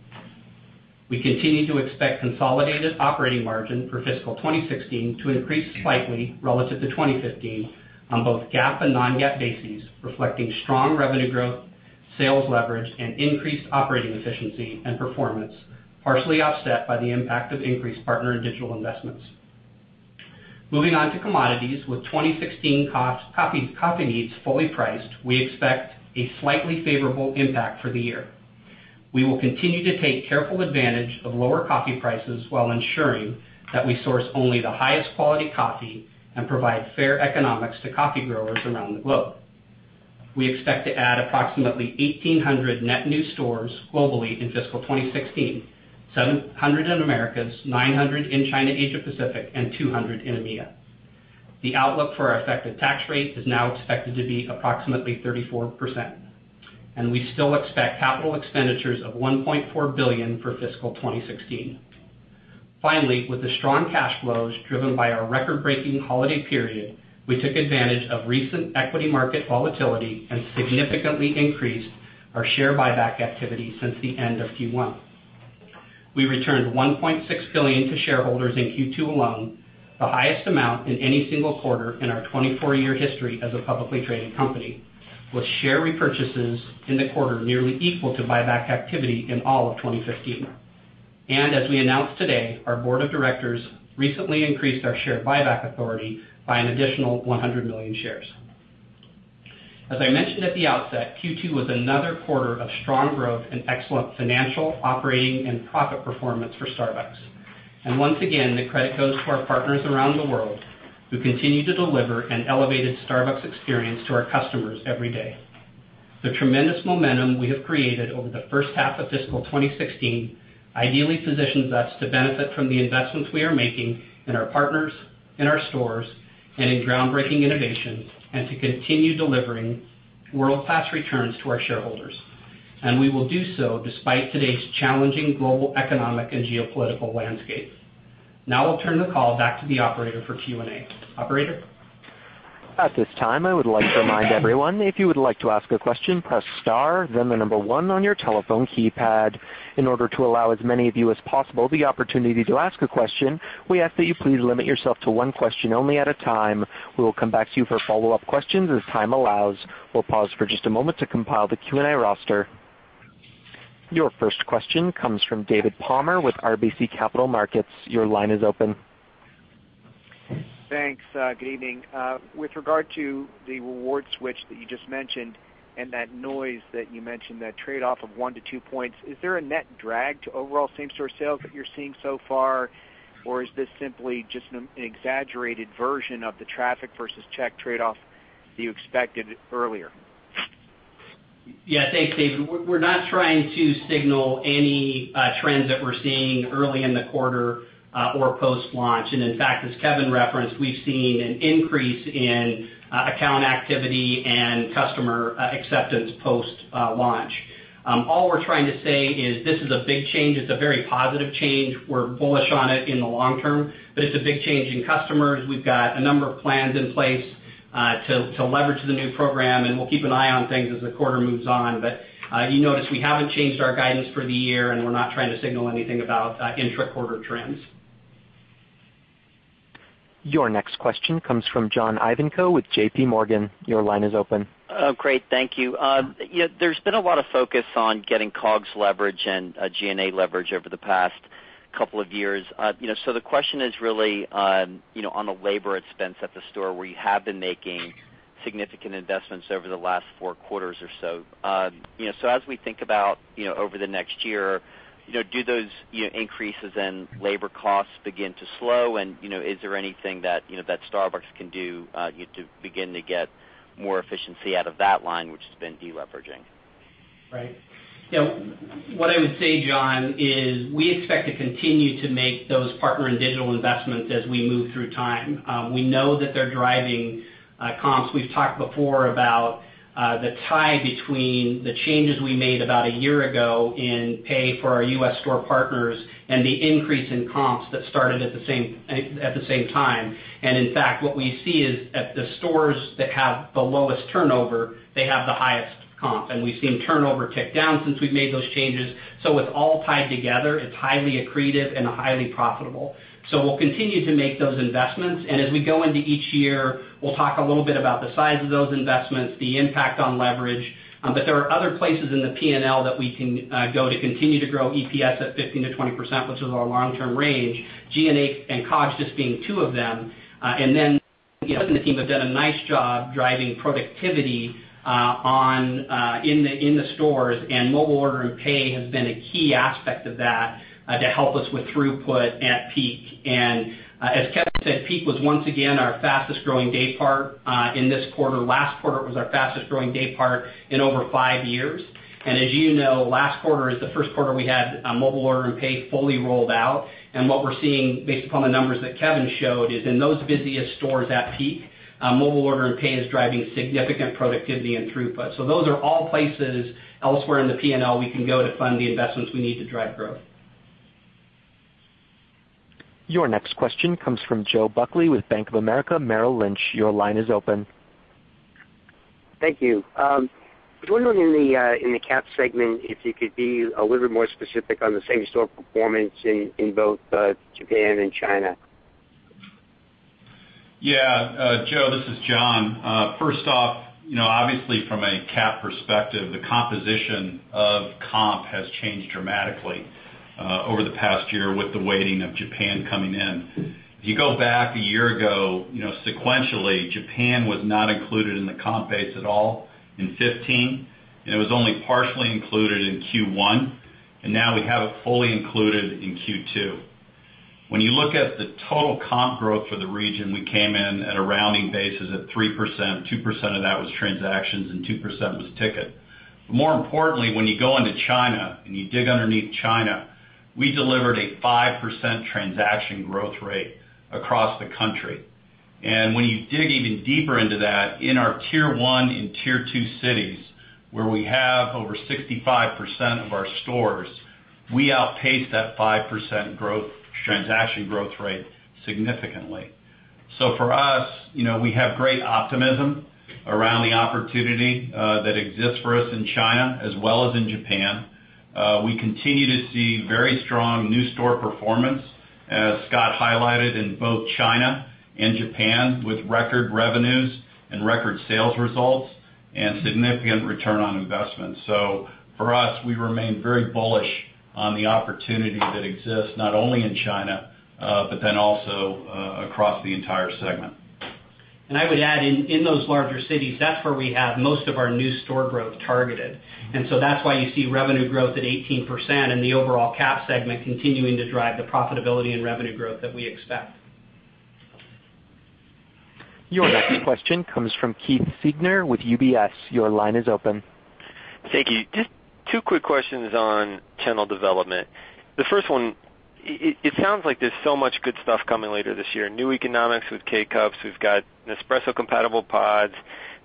We continue to expect consolidated operating margin for fiscal 2016 to increase slightly relative to 2015 on both GAAP and non-GAAP bases, reflecting strong revenue growth, sales leverage, and increased operating efficiency and performance, partially offset by the impact of increased partner and digital investments. Moving on to commodities. With 2016 coffee needs fully priced, we expect a slightly favorable impact for the year. We will continue to take careful advantage of lower coffee prices while ensuring that we source only the highest quality coffee and provide fair economics to coffee growers around the globe. We expect to add approximately 1,800 net new stores globally in fiscal 2016, 700 in Americas, 900 in China, Asia Pacific, and 200 in EMEA. The outlook for our effective tax rate is now expected to be approximately 34%. We still expect capital expenditures of $1.4 billion for fiscal 2016. Finally, with the strong cash flows driven by our record-breaking holiday period, we took advantage of recent equity market volatility and significantly increased our share buyback activity since the end of Q1. We returned $1.6 billion to shareholders in Q2 alone, the highest amount in any single quarter in our 24-year history as a publicly traded company, with share repurchases in the quarter nearly equal to buyback activity in all of 2015. As we announced today, our board of directors recently increased our share buyback authority by an additional 100 million shares. As I mentioned at the outset, Q2 was another quarter of strong growth and excellent financial, operating, and profit performance for Starbucks. Once again, the credit goes to our partners around the world who continue to deliver an elevated Starbucks experience to our customers every day. The tremendous momentum we have created over the first half of fiscal 2016 ideally positions us to benefit from the investments we are making in our partners, in our stores, and in groundbreaking innovations, and to continue delivering world-class returns to our shareholders. We will do so despite today's challenging global economic and geopolitical landscape. Now I'll turn the call back to the operator for Q&A. Operator? At this time, I would like to remind everyone, if you would like to ask a question, press star, then the number one on your telephone keypad. In order to allow as many of you as possible the opportunity to ask a question, we ask that you please limit yourself to one question only at a time. We will come back to you for follow-up questions as time allows. We'll pause for just a moment to compile the Q&A roster. Your first question comes from David Palmer with RBC Capital Markets. Your line is open. Thanks. Good evening. With regard to the rewards switch that you just mentioned and that noise that you mentioned, that trade-off of one to two points, is there a net drag to overall same-store sales that you're seeing so far? Is this simply just an exaggerated version of the traffic versus check trade-off that you expected earlier? Yeah. Thanks, David. We're not trying to signal any trends that we're seeing early in the quarter or post-launch. In fact, as Kevin referenced, we've seen an increase in account activity and customer acceptance post-launch. All we're trying to say is this is a big change. It's a very positive change. We're bullish on it in the long term, but it's a big change in customers. We've got a number of plans in place to leverage the new program, and we'll keep an eye on things as the quarter moves on. You notice we haven't changed our guidance for the year, and we're not trying to signal anything about intra-quarter trends. Your next question comes from John Ivankoe with J.P. Morgan. Your line is open. Great. Thank you. There's been a lot of focus on getting COGS leverage and G&A leverage over the past couple of years. The question is really on the labor expense at the store where you have been making significant investments over the last 4 quarters or so. As we think about over the next year, do those increases in labor costs begin to slow? Is there anything that Starbucks can do to begin to get more efficiency out of that line, which has been de-leveraging? Right. What I would say, John, is we expect to continue to make those partner and digital investments as we move through time. We know that they're driving comps. We've talked before about the tie between the changes we made about one year ago in pay for our U.S. store partners and the increase in comps that started at the same time. In fact, what we see is at the stores that have the lowest turnover, they have the highest comp, and we've seen turnover tick down since we've made those changes. It's all tied together. It's highly accretive and highly profitable. We'll continue to make those investments, and as we go into each year, we'll talk a little bit about the size of those investments, the impact on leverage. There are other places in the P&L that we can go to continue to grow EPS at 15%-20%, which is our long-term range, G&A and COGS just being two of them. The team have done a nice job driving productivity in the stores, and mobile order and pay has been a key aspect of that to help us with throughput at peak. As Kevin said, peak was once again our fastest-growing daypart in this quarter. Last quarter, it was our fastest-growing daypart in over five years. As you know, last quarter is the first quarter we had mobile order and pay fully rolled out. What we're seeing based upon the numbers that Kevin showed is in those busiest stores at peak, mobile order and pay is driving significant productivity and throughput. Those are all places elsewhere in the P&L we can go to fund the investments we need to drive growth. Your next question comes from Joseph Buckley with Bank of America Merrill Lynch. Your line is open. Thank you. I was wondering in the CAP segment, if you could be a little bit more specific on the same-store performance in both Japan and China. Joe, this is John. First off, obviously from a CAP perspective, the composition of comp has changed dramatically over the past year with the weighting of Japan coming in. If you go back a year ago, sequentially, Japan was not included in the comp base at all in 2015, and it was only partially included in Q1, and now we have it fully included in Q2. When you look at the total comp growth for the region, we came in at a rounding basis at 3%. 2% of that was transactions, and 2% was ticket. More importantly, when you go into China and you dig underneath China, we delivered a 5% transaction growth rate across the country. When you dig even deeper into that, in our tier 1 and tier 2 cities, where we have over 65% of our stores, we outpaced that 5% transaction growth rate significantly. For us, we have great optimism around the opportunity that exists for us in China as well as in Japan. We continue to see very strong new store performance, as Scott highlighted in both China and Japan, with record revenues and record sales results and significant return on investment. For us, we remain very bullish on the opportunity that exists not only in China but then also across the entire segment. I would add, in those larger cities, that's where we have most of our new store growth targeted. That's why you see revenue growth at 18% in the overall CAP segment continuing to drive the profitability and revenue growth that we expect. Your next question comes from Keith Siegner with UBS. Your line is open. Thank you. Just two quick questions on channel development. The first one, it sounds like there's so much good stuff coming later this year. New economics with K-Cups. We've got Nespresso compatible pods.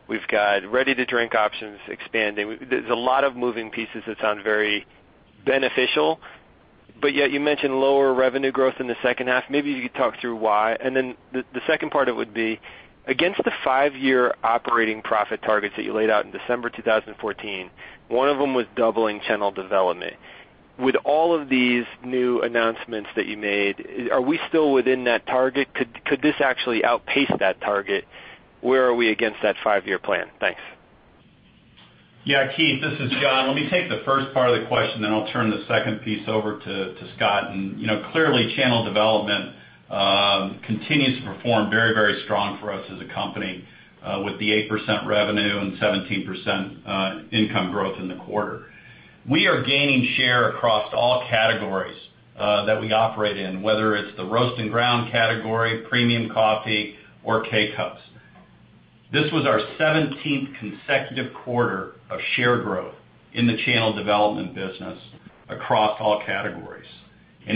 We've got ready-to-drink options expanding. There's a lot of moving pieces that sound very beneficial, but yet you mentioned lower revenue growth in the second half. Maybe you could talk through why. The second part would be, against the five-year operating profit targets that you laid out in December 2014, one of them was doubling channel development. With all of these new announcements that you made, are we still within that target? Could this actually outpace that target? Where are we against that five-year plan? Thanks. Yeah, Keith, this is John. Let me take the first part of the question, then I'll turn the second piece over to Scott. Clearly, channel development continues to perform very strong for us as a company with the 8% revenue and 17% income growth in the quarter. We are gaining share across all categories that we operate in, whether it's the roast and ground category, premium coffee or K-Cups. This was our 17th consecutive quarter of share growth in the channel development business across all categories.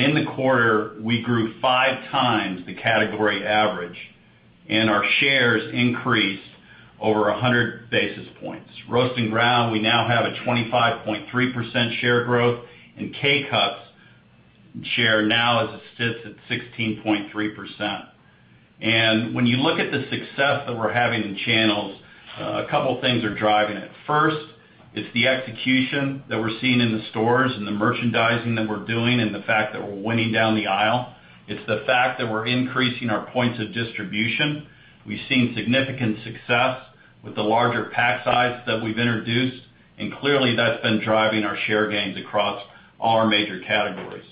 In the quarter, we grew five times the category average, and our shares increased over 100 basis points. Roast and ground, we now have a 25.3% share growth, and K-Cups share now sits at 16.3%. When you look at the success that we're having in channels, a couple things are driving it. First, it's the execution that we're seeing in the stores and the merchandising that we're doing, and the fact that we're winning down the aisle. It's the fact that we're increasing our points of distribution. We've seen significant success with the larger pack size that we've introduced, and clearly that's been driving our share gains across all our major categories.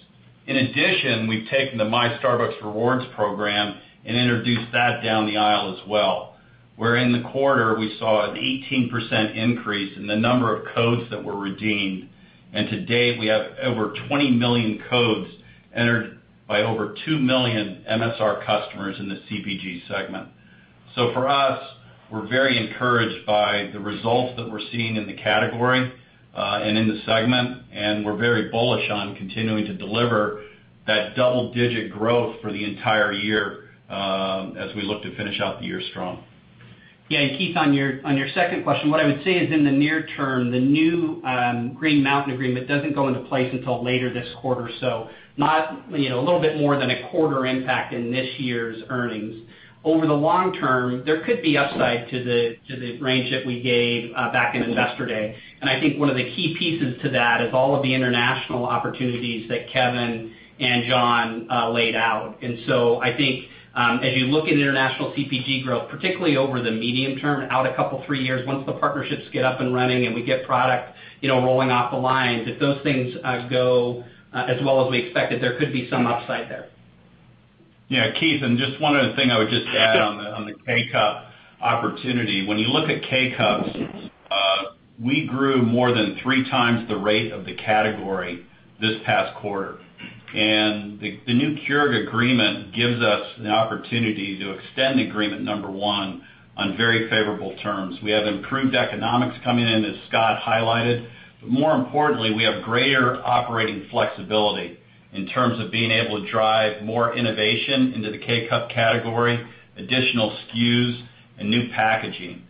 In addition, we've taken the My Starbucks Rewards program and introduced that down the aisle as well, where in the quarter we saw an 18% increase in the number of codes that were redeemed. To date, we have over 20 million codes entered by over 2 million MSR customers in the CPG segment. For us, we're very encouraged by the results that we're seeing in the category, and in the segment, and we're very bullish on continuing to deliver that double-digit growth for the entire year as we look to finish out the year strong. Yeah. Keith, on your second question, what I would say is, in the near term, the new Green Mountain agreement doesn't go into place until later this quarter, so a little bit more than a quarter impact in this year's earnings. Over the long term, there could be upside to the range that we gave back in Investor Day. I think one of the key pieces to that is all of the international opportunities that Kevin and John laid out. I think, as you look at international CPG growth, particularly over the medium term, out a couple, three years, once the partnerships get up and running and we get product rolling off the lines, if those things go as well as we expected, there could be some upside there. Yeah, Keith, just one other thing I would just add on the K-Cup opportunity. When you look at K-Cups, we grew more than three times the rate of the category this past quarter, and the new Keurig agreement gives us an opportunity to extend the agreement, number one, on very favorable terms. We have improved economics coming in, as Scott highlighted. More importantly, we have greater operating flexibility in terms of being able to drive more innovation into the K-Cup category, additional SKUs and new packaging.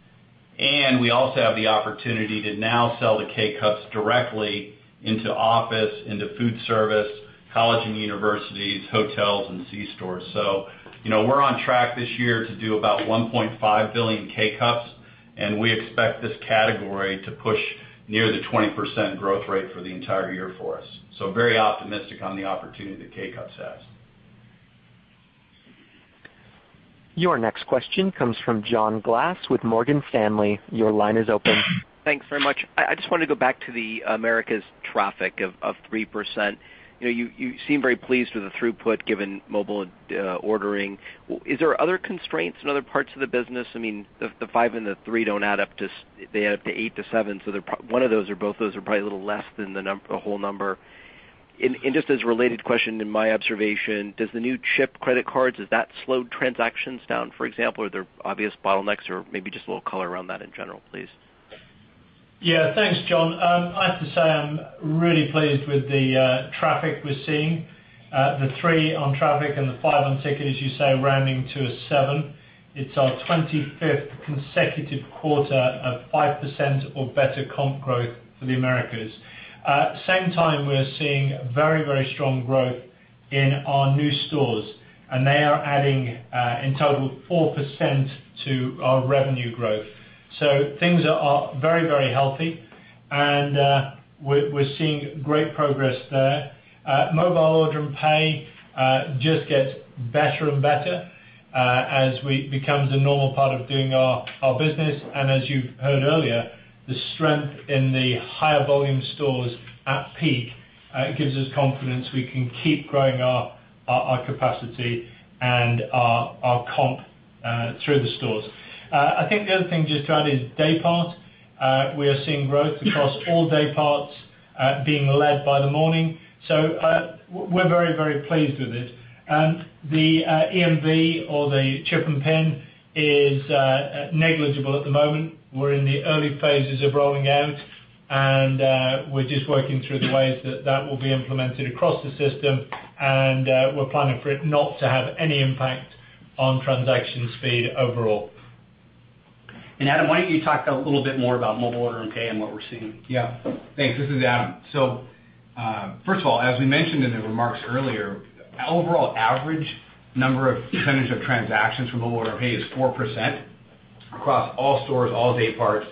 We also have the opportunity to now sell the K-Cups directly into office, into food service, college and universities, hotels, and C stores. We're on track this year to do about 1.5 billion K-Cups, and we expect this category to push near the 20% growth rate for the entire year for us. Very optimistic on the opportunity that K-Cups has. Your next question comes from John Glass with Morgan Stanley. Your line is open. Thanks very much. I just wanted to go back to the Americas traffic of 3%. You seem very pleased with the throughput given Mobile Order and Pay. Is there other constraints in other parts of the business? I mean, the five and the three, they add up to eight to seven, so one of those or both those are probably a little less than the whole number. Just as a related question, in my observation, does the new chip credit cards, has that slowed transactions down, for example? Are there obvious bottlenecks or maybe just a little color around that in general, please? Yeah. Thanks, John. I have to say, I'm really pleased with the traffic we're seeing. The three on traffic and the five on ticket, as you say, rounding to a seven. It's our 25th consecutive quarter of 5% or better comp growth for the Americas. At the same time, we're seeing very strong growth in our new stores, and they are adding, in total, 4% to our revenue growth. Things are very healthy, and we're seeing great progress there. Mobile Order and Pay just gets better and better as it becomes a normal part of doing our business. As you've heard earlier, the strength in the higher volume stores at peak gives us confidence we can keep growing our capacity and our comp through the stores. I think the other thing just to add is day part. We are seeing growth across all day parts, being led by the morning. We're very pleased with it. The EMV or the chip and PIN is negligible at the moment. We're in the early phases of rolling out, and we're just working through the ways that that will be implemented across the system, and we're planning for it not to have any impact on transaction speed overall. Adam, why don't you talk a little bit more about mobile order and pay and what we're seeing? Yeah. Thanks. This is Adam. First of all, as we mentioned in the remarks earlier, overall average number of percentage of transactions from mobile order and pay is 4% across all stores, all day parts,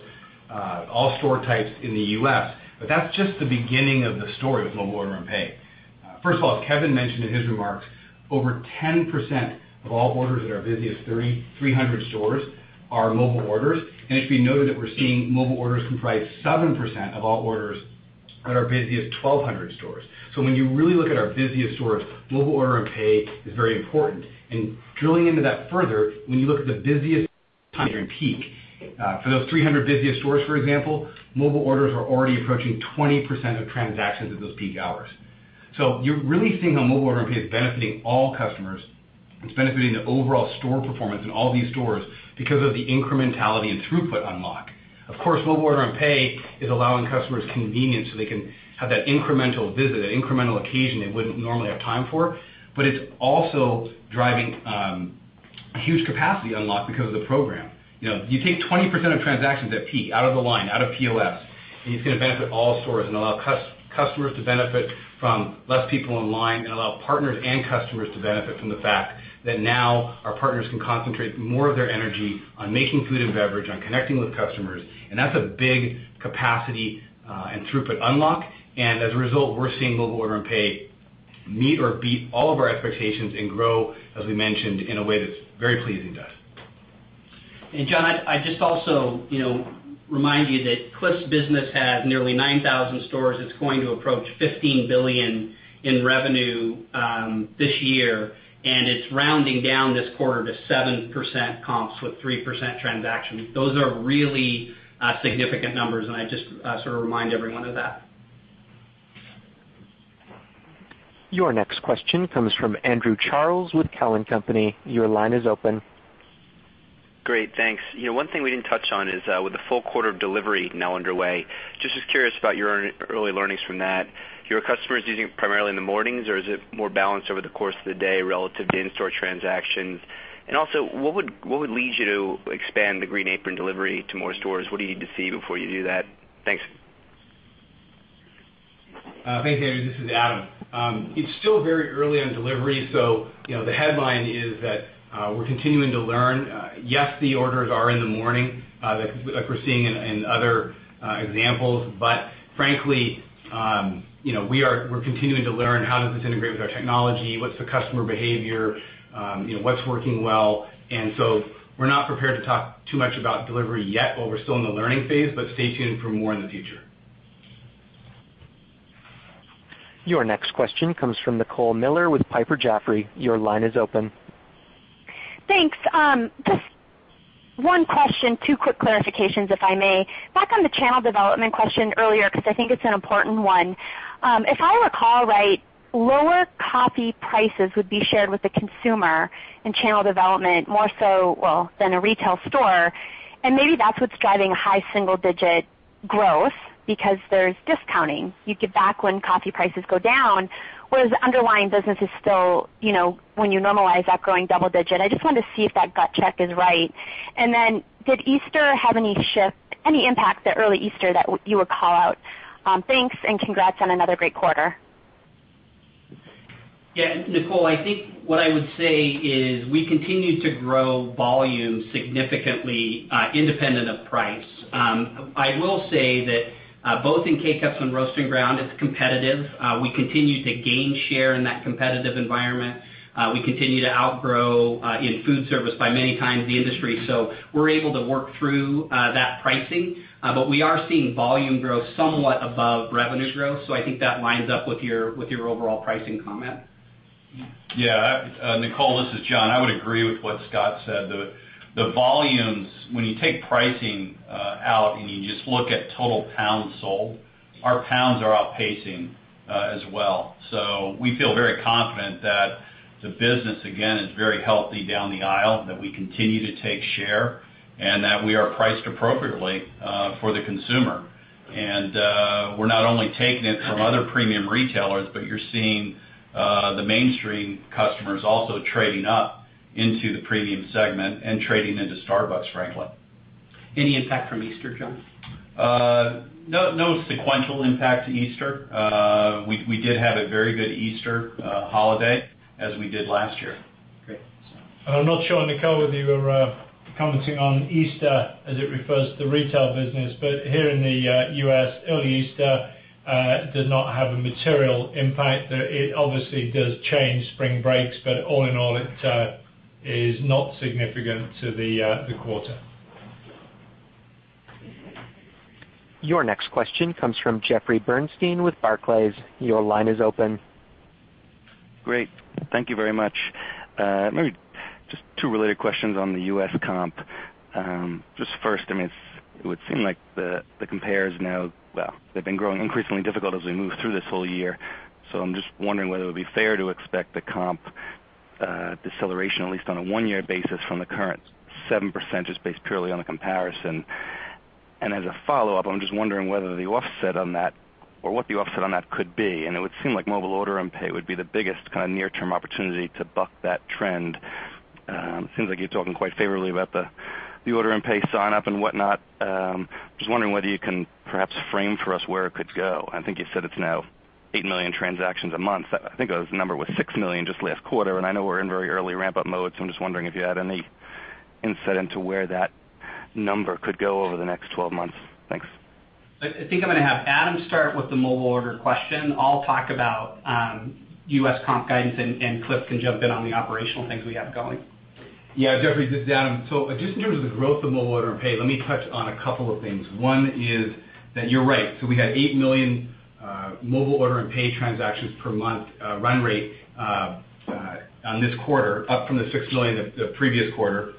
all store types in the U.S. That's just the beginning of the story with mobile order and pay. First of all, as Kevin mentioned in his remarks, over 10% of all orders at our busiest 300 stores are mobile orders. It should be noted that we're seeing mobile orders comprise 7% of all orders at our busiest 1,200 stores. When you really look at our busiest stores, mobile order and pay is very important. Drilling into that further, when you look at the busiest time during peak. For those 300 busiest stores, for example, mobile orders are already approaching 20% of transactions at those peak hours. You're really seeing how mobile order and pay is benefiting all customers. It's benefiting the overall store performance in all these stores because of the incrementality and throughput unlock. Of course, mobile order and pay is allowing customers convenience so they can have that incremental visit, that incremental occasion they wouldn't normally have time for, but it's also driving a huge capacity unlock because of the program. You take 20% of transactions at peak out of the line, out of POS, and it's going to benefit all stores and allow customers to benefit from less people in line and allow partners and customers to benefit from the fact that now our partners can concentrate more of their energy on making food and beverage, on connecting with customers. That's a big capacity and throughput unlock. As a result, we're seeing Mobile Order & Pay meet or beat all of our expectations and grow, as we mentioned, in a way that's very pleasing to us. John, I just also remind you that Cliff's business has nearly 9,000 stores. It's going to approach $15 billion in revenue this year, and it's rounding down this quarter to 7% comps with 3% transaction. Those are really significant numbers, and I just sort of remind everyone of that. Your next question comes from Andrew Charles with Cowen and Company. Your line is open. Great, thanks. One thing we didn't touch on is with the full quarter of delivery now underway, just was curious about your early learnings from that. Your customers using it primarily in the mornings, or is it more balanced over the course of the day relative to in-store transactions? Also, what would lead you to expand the Green Apron delivery to more stores? What do you need to see before you do that? Thanks. Thanks, Andrew. This is Adam. It's still very early on delivery, the headline is that we're continuing to learn. Yes, the orders are in the morning, like we're seeing in other examples. Frankly, we're continuing to learn how does this integrate with our technology, what's the customer behavior, what's working well. We're not prepared to talk too much about delivery yet while we're still in the learning phase, stay tuned for more in the future. Your next question comes from Nicole Miller with Piper Jaffray. Your line is open. Thanks. Just one question, two quick clarifications, if I may. Back on the channel development question earlier, because I think it's an important one. If I recall right, lower coffee prices would be shared with the consumer in channel development more so, well, than a retail store. Maybe that's what's driving high single digit growth because there's discounting you give back when coffee prices go down, whereas underlying business is still, when you normalize that growing double digit. I just wanted to see if that gut check is right. Did Easter have any shift, any impact that early Easter that you would call out? Thanks, congrats on another great quarter. Yeah, Nicole, I think what I would say is we continue to grow volume significantly, independent of price. I will say that both in K-Cups and Roast and Ground, it's competitive. We continue to gain share in that competitive environment. We continue to outgrow in food service by many times the industry. We're able to work through that pricing. We are seeing volume growth somewhat above revenue growth. I think that lines up with your overall pricing comment. Yeah. Nicole, this is John. I would agree with what Scott said. The volumes, when you take pricing out and you just look at total pounds sold, our pounds are outpacing as well. We feel very confident that the business, again, is very healthy down the aisle, that we continue to take share, and that we are priced appropriately for the consumer. We're not only taking it from other premium retailers, but you're seeing the mainstream customers also trading up into the premium segment and trading into Starbucks, frankly. Any impact from Easter, John? No sequential impact to Easter. We did have a very good Easter holiday as we did last year. Great. I'm not sure, Nicole, whether you were commenting on Easter as it refers to the retail business, but here in the U.S., early Easter did not have a material impact. It obviously does change spring breaks, but all in all, it is not significant to the quarter. Your next question comes from Jeffrey Bernstein with Barclays. Your line is open. Great. Thank you very much. Maybe just two related questions on the U.S. comp. First, it would seem like the compares now, well, they've been growing increasingly difficult as we move through this whole year. I'm just wondering whether it would be fair to expect the comp deceleration, at least on a one-year basis from the current 7%, just based purely on the comparison. As a follow-up, I'm just wondering whether the offset on that or what the offset on that could be, it would seem like mobile order and pay would be the biggest kind of near-term opportunity to buck that trend. It seems like you're talking quite favorably about the order and pay sign up and whatnot. Just wondering whether you can perhaps frame for us where it could go. I think you said it's now 8 million transactions a month. I think the number was 6 million just last quarter. I know we're in very early ramp up mode. I'm just wondering if you had any insight into where that number could go over the next 12 months. Thanks. I think I'm going to have Adam start with the mobile order question. I'll talk about U.S. comp guidance. Cliff can jump in on the operational things we have going. Yeah, Jeffrey, this is Adam. Just in terms of the growth of Mobile Order and Pay, let me touch on a couple of things. One is that you're right. We had 8 million Mobile Order and Pay transactions per month run rate on this quarter up from the 6 million the previous quarter.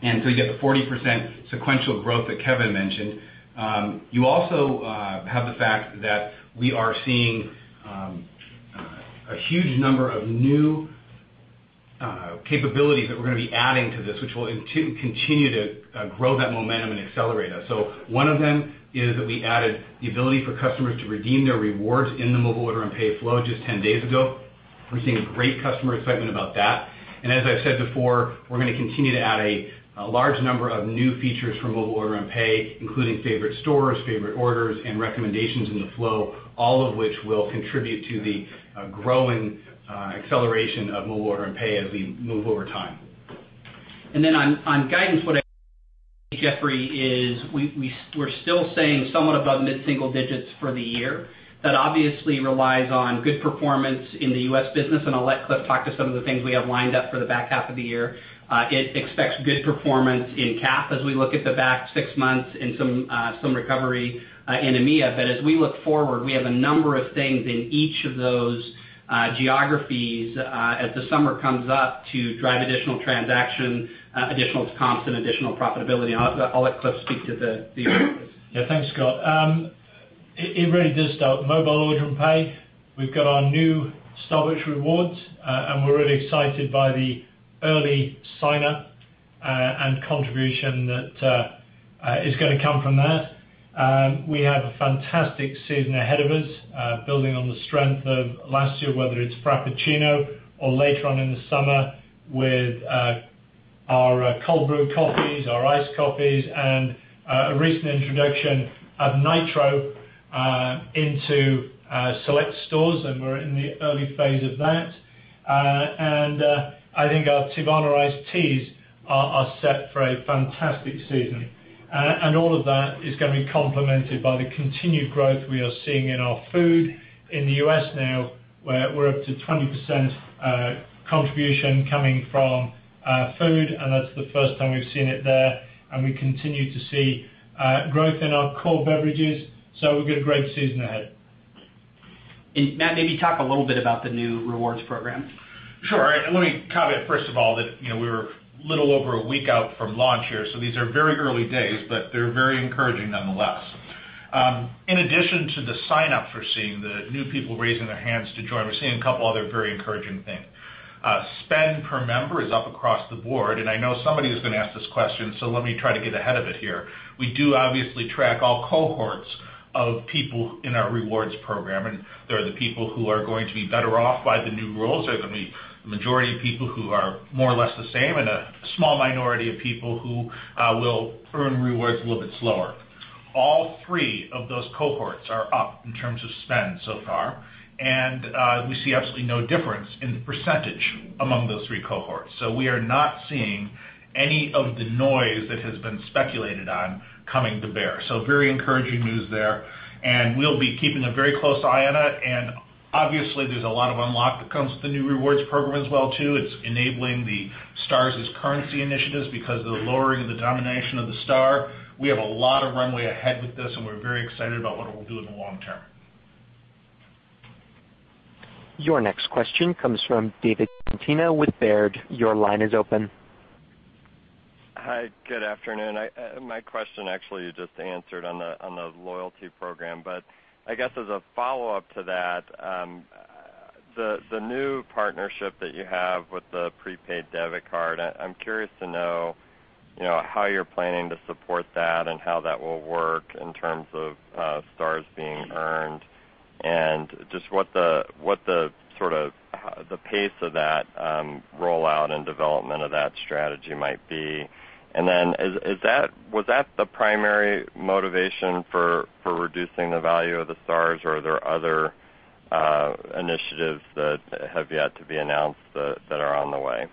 You get the 40% sequential growth that Kevin mentioned. You also have the fact that we are seeing a huge number of new capabilities that we're going to be adding to this, which will continue to grow that momentum and accelerate us. One of them is that we added the ability for customers to redeem their rewards in the Mobile Order and Pay flow just 10 days ago. We're seeing great customer excitement about that. As I've said before, we're going to continue to add a large number of new features for Mobile Order and Pay, including favorite stores, favorite orders, and recommendations in the flow, all of which will contribute to the growing acceleration of Mobile Order and Pay as we move over time. On guidance, what I, Jeffrey, is we're still saying somewhat above mid-single digits for the year. That obviously relies on good performance in the U.S. business, and I'll let Cliff talk to some of the things we have lined up for the back half of the year. It expects good performance in CAP as we look at the back six months and some recovery in EMEA. As we look forward, we have a number of things in each of those geographies as the summer comes up to drive additional transaction, additional comps, and additional profitability. I'll let Cliff speak to the Yeah, thanks, Scott. It really does start with Mobile Order and Pay. We've got our new Starbucks Rewards, and we're really excited by the early sign-up and contribution that is going to come from that. We have a fantastic season ahead of us, building on the strength of last year, whether it's Frappuccino or later on in the summer with our Cold Brew coffees, our iced coffees, and a recent introduction of Nitro into select stores, and we're in the early phase of that. I think our Teavana iced teas are set for a fantastic season. All of that is going to be complemented by the continued growth we are seeing in our food in the U.S. now, where we're up to 20% contribution coming from food, and that's the first time we've seen it there. We continue to see growth in our core beverages. we've got a great season ahead. Matt, maybe talk a little bit about the new Starbucks Rewards program. Sure. Let me caveat, first of all, that we're a little over a week out from launch here. These are very early days, they're very encouraging nonetheless. In addition to the sign-ups we're seeing, the new people raising their hands to join, we're seeing a couple other very encouraging things. Spend per member is up across the board. I know somebody is going to ask this question, let me try to get ahead of it here. We do obviously track all cohorts of people in our Starbucks Rewards program. There are the people who are going to be better off by the new rules. There are going to be the majority of people who are more or less the same a small minority of people who will earn rewards a little bit slower. All three of those cohorts are up in terms of spend so far. We see absolutely no difference in the percentage among those three cohorts. We are not seeing any of the noise that has been speculated on coming to bear. Very encouraging news there. We'll be keeping a very close eye on it, obviously, there's a lot of unlock that comes with the new Starbucks Rewards program as well too. It's enabling the Stars Everywhere initiatives because of the lowering of the denomination of the Star. We have a lot of runway ahead with this. We're very excited about what it will do in the long term. Your next question comes from David Tarantino with Baird. Your line is open. Hi, good afternoon. My question actually you just answered on the loyalty program. I guess as a follow-up to that, the new partnership that you have with the prepaid debit card, I'm curious to know how you're planning to support that and how that will work in terms of Stars being earned and just what the pace of that rollout and development of that strategy might be. Then, was that the primary motivation for reducing the value of the Stars, or are there other initiatives that have yet to be announced that are on the way?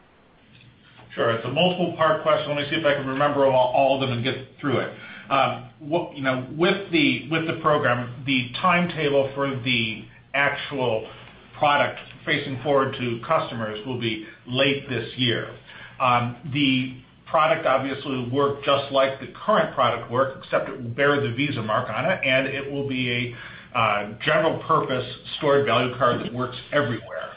Sure. It's a multiple-part question. Let me see if I can remember all of them and get through it. With the program, the timetable for the actual product facing forward to customers will be late this year. The product obviously will work just like the current product works, except it will bear the Visa mark on it, and it will be a general purpose stored value card that works everywhere.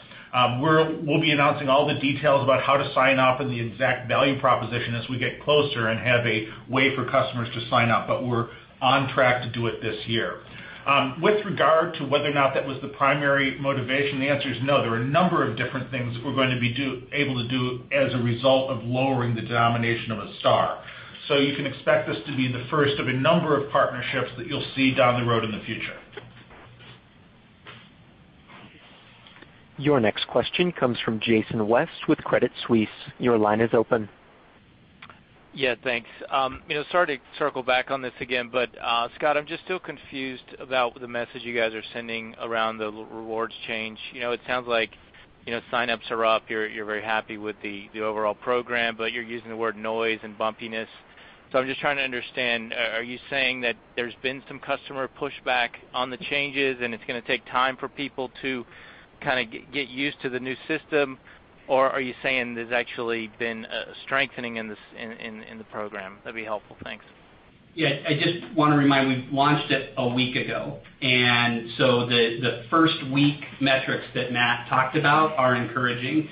We'll be announcing all the details about how to sign up and the exact value proposition as we get closer and have a way for customers to sign up, but we're on track to do it this year. With regard to whether or not that was the primary motivation, the answer is no. There are a number of different things we're going to be able to do as a result of lowering the denomination of a Star. You can expect this to be the first of a number of partnerships that you'll see down the road in the future. Your next question comes from Jason West with Credit Suisse. Your line is open. Yeah, thanks. Sorry to circle back on this again, Scott, I'm just still confused about the message you guys are sending around the rewards change. It sounds like sign-ups are up, you're very happy with the overall program, you're using the word noise and bumpiness. I'm just trying to understand, are you saying that there's been some customer pushback on the changes and it's going to take time for people to get used to the new system? Or are you saying there's actually been a strengthening in the program? That'd be helpful. Thanks. Yeah. I just want to remind, we launched it a week ago, the first-week metrics that Matt talked about are encouraging.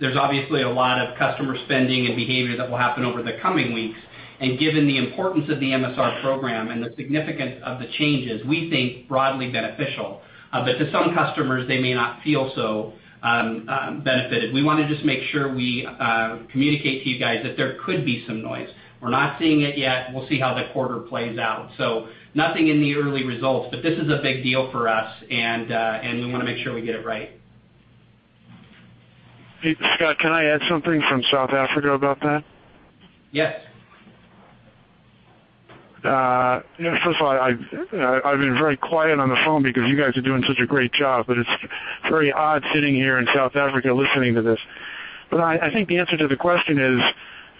There's obviously a lot of customer spending and behavior that will happen over the coming weeks, and given the importance of the MSR program and the significance of the changes, we think broadly beneficial. To some customers, they may not feel so benefited. We want to just make sure we communicate to you guys that there could be some noise. We're not seeing it yet. We'll see how the quarter plays out. Nothing in the early results, this is a big deal for us, and we want to make sure we get it right. Hey, Scott, can I add something from South Africa about that? Yes. First of all, I've been very quiet on the phone because you guys are doing such a great job, but it's very odd sitting here in South Africa listening to this. I think the answer to the question is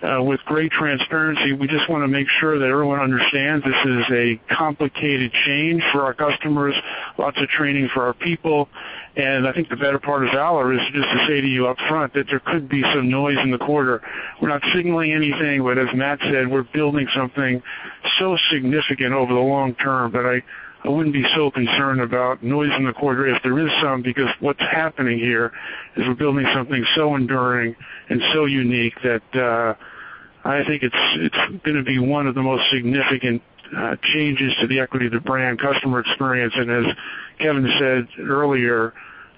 with great transparency. We just want to make sure that everyone understands this is a complicated change for our customers, lots of training for our people, and I think the better part is our is just to say to you up front that there could be some noise in the quarter. We're not signaling anything, but as Matt said, we're building something so significant over the long term that I wouldn't be so concerned about noise in the quarter if there is some, because what's happening here is we're building something so enduring and so unique that, I think it's going to be one of the most significant changes to the equity of the brand customer experience. As Kevin said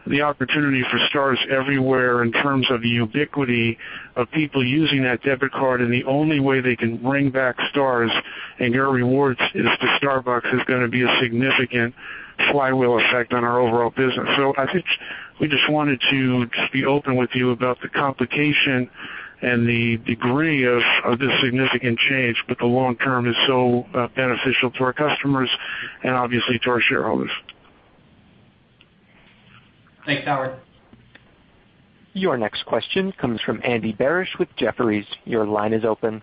earlier, the opportunity for Stars Everywhere in terms of the ubiquity of people using that debit card, and the only way they can bring back Stars and get rewards is through Starbucks, is going to be a significant flywheel effect on our overall business. I think we just wanted to just be open with you about the complication and the degree of this significant change, but the long term is so beneficial to our customers and obviously to our shareholders. Thanks, Howard. Your next question comes from Andy Barish with Jefferies. Your line is open.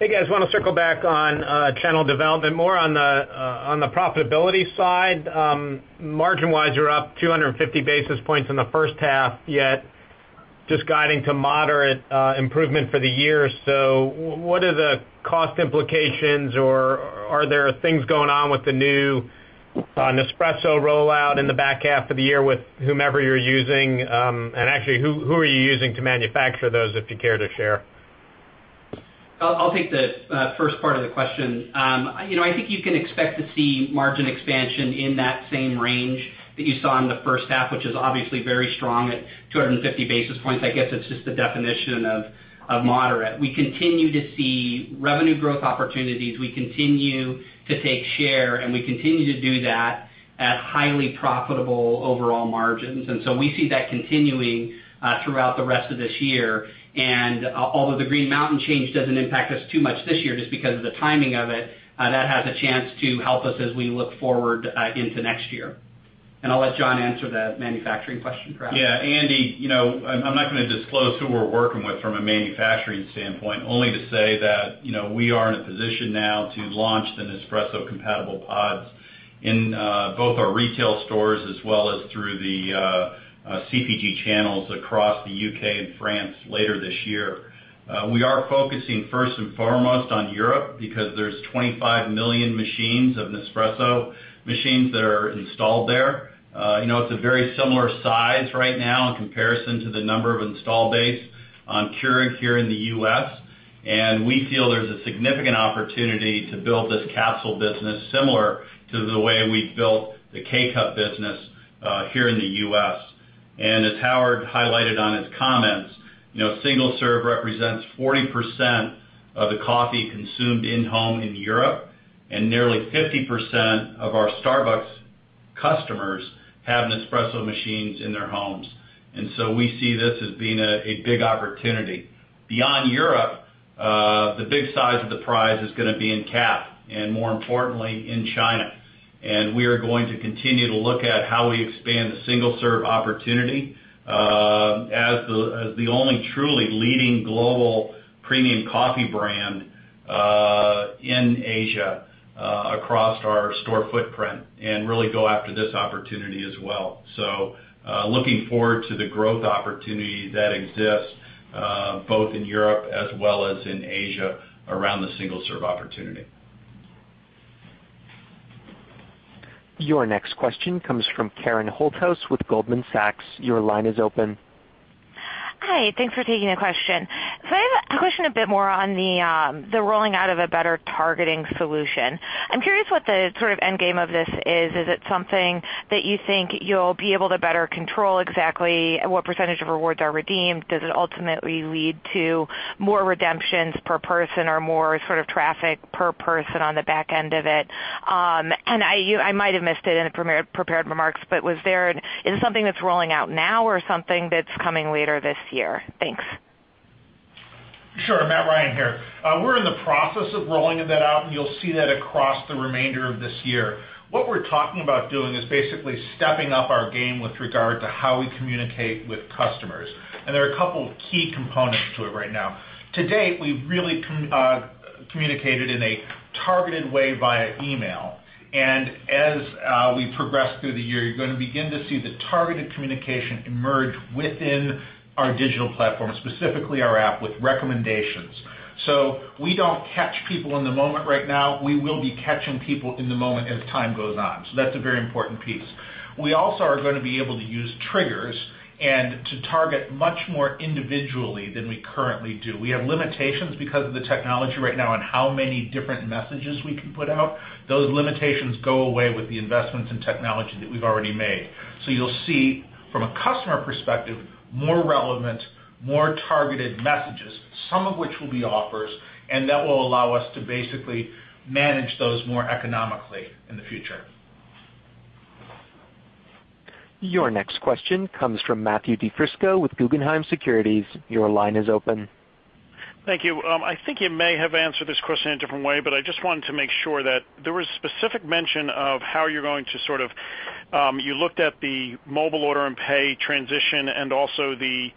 Hey, guys. Want to circle back on channel development more on the profitability side. Margin-wise, you're up 250 basis points in the first half, yet just guiding to moderate improvement for the year. What are the cost implications, or are there things going on with the new Nespresso rollout in the back half of the year with whomever you're using? Actually, who are you using to manufacture those, if you care to share? I'll take the first part of the question. I think you can expect to see margin expansion in that same range that you saw in the first half, which is obviously very strong at 250 basis points. I guess it's just the definition of moderate. We continue to see revenue growth opportunities. We continue to take share, and we continue to do that at highly profitable overall margins. We see that continuing throughout the rest of this year. Although the Green Mountain change doesn't impact us too much this year, just because of the timing of it, that has a chance to help us as we look forward into next year. I'll let John answer that manufacturing question perhaps. Yeah, Andy, I'm not going to disclose who we're working with from a manufacturing standpoint only to say that we are in a position now to launch the Nespresso-compatible pods in both our retail stores as well as through the CPG channels across the U.K. and France later this year. We are focusing first and foremost on Europe because there's 25 million machines of Nespresso machines that are installed there. It's a very similar size right now in comparison to the number of install base on Keurig here in the U.S., and we feel there's a significant opportunity to build this capsule business similar to the way we've built the K-Cup business here in the U.S. As Howard highlighted on his comments, single-serve represents 40% of the coffee consumed in-home in Europe, and nearly 50% of our Starbucks customers have Nespresso machines in their homes. We see this as being a big opportunity. Beyond Europe, the big size of the prize is going to be in CAP and more importantly, in China. We are going to continue to look at how we expand the single-serve opportunity, as the only truly leading global premium coffee brand, in Asia, across our store footprint and really go after this opportunity as well. Looking forward to the growth opportunity that exists, both in Europe as well as in Asia around the single-serve opportunity. Your next question comes from Karen Holthouse with Goldman Sachs. Your line is open. Hi. Thanks for taking the question. I have a question a bit more on the rolling out of a better targeting solution. I'm curious what the end game of this is. Is it something that you think you'll be able to better control exactly what percentage of Starbucks Rewards are redeemed? Does it ultimately lead to more redemptions per person or more traffic per person on the back end of it? I might have missed it in the prepared remarks, but is it something that's rolling out now or something that's coming later this year? Thanks. Sure. Matthew Ryan here. We're in the process of rolling that out, you'll see that across the remainder of this year. What we're talking about doing is basically stepping up our game with regard to how we communicate with customers. There are a couple of key components to it right now. To date, we've really communicated in a targeted way via email, as we progress through the year, you're going to begin to see the targeted communication emerge within our digital platform, specifically our app with recommendations. We don't catch people in the moment right now. We will be catching people in the moment as time goes on. That's a very important piece. We also are going to be able to use triggers and to target much more individually than we currently do. We have limitations because of the technology right now on how many different messages we can put out. Those limitations go away with the investments in technology that we've already made. You'll see from a customer perspective, more relevant, more targeted messages, some of which will be offers, and that will allow us to basically manage those more economically in the future. Your next question comes from Matthew DiFrisco with Guggenheim Securities. Your line is open. Thank you. I think you may have answered this question in a different way, but I just wanted to make sure that there was specific mention of how you're going to sort of, you looked at the mobile order and pay transition and also the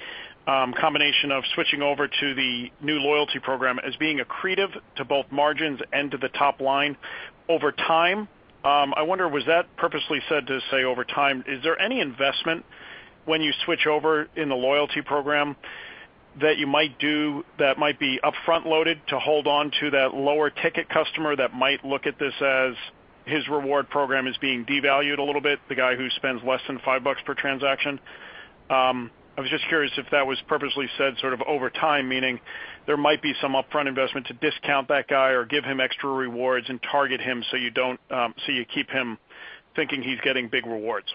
combination of switching over to the new loyalty program as being accretive to both margins and to the top line over time. I wonder, was that purposely said to say over time? Is there any investment when you switch over in the loyalty program that you might do that might be upfront loaded to hold on to that lower ticket customer that might look at this as his reward program is being devalued a little bit, the guy who spends less than $5 per transaction? I was just curious if that was purposely said sort of over time, meaning there might be some upfront investment to discount that guy or give him extra rewards and target him you keep him thinking he's getting big rewards.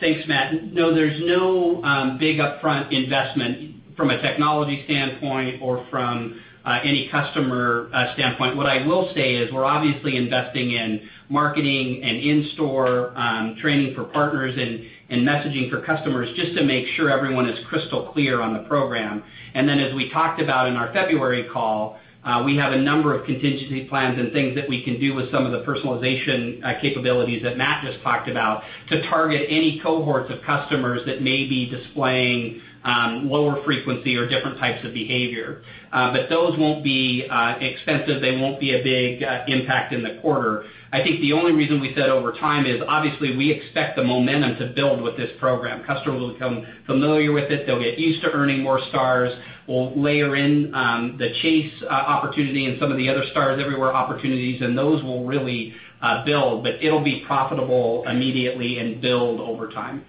Thanks, Matt. No, there's no big upfront investment from a technology standpoint or from any customer standpoint. What I will say is we're obviously investing in marketing and in-store training for partners and messaging for customers just to make sure everyone is crystal clear on the program. As we talked about in our February call, we have a number of contingency plans and things that we can do with some of the personalization capabilities that Matt just talked about to target any cohorts of customers that may be displaying lower frequency or different types of behavior. Those won't be expensive. They won't be a big impact in the quarter. I think the only reason we said over time is obviously we expect the momentum to build with this program. Customers will become familiar with it. They'll get used to earning more Stars. We'll layer in the Chase opportunity and some of the other Stars Everywhere opportunities, and those will really build, but it'll be profitable immediately and build over time.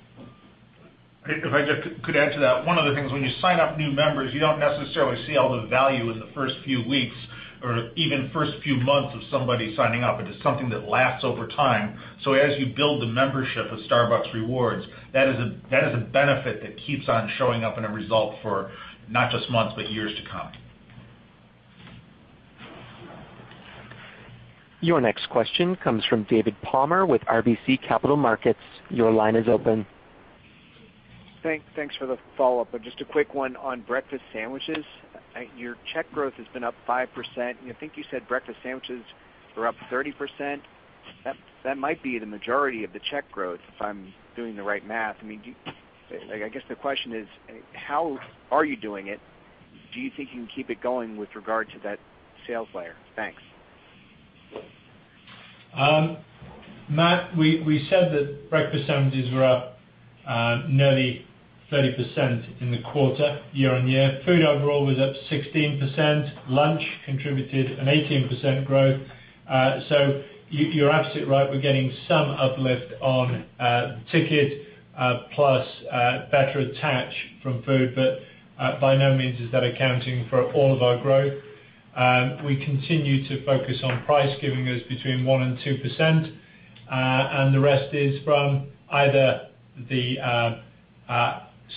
If I just could add to that, one of the things when you sign up new members, you don't necessarily see all the value in the first few weeks or even first few months of somebody signing up, but it's something that lasts over time. As you build the membership of Starbucks Rewards, that is a benefit that keeps on showing up in a result for not just months, but years to come. Your next question comes from David Palmer with RBC Capital Markets. Your line is open. Thanks for the follow-up. Just a quick one on breakfast sandwiches. Your check growth has been up 5%. I think you said breakfast sandwiches were up 30%. That might be the majority of the check growth, if I'm doing the right math. I guess the question is, how are you doing it? Do you think you can keep it going with regard to that sales layer? Thanks. Matt, we said that breakfast sandwiches were up nearly 30% in the quarter, year on year. Food overall was up 16%. Lunch contributed an 18% growth. You're absolutely right. We're getting some uplift on ticket plus better attach from food, but by no means is that accounting for all of our growth. We continue to focus on price giving us between 1% and 2%, and the rest is from either the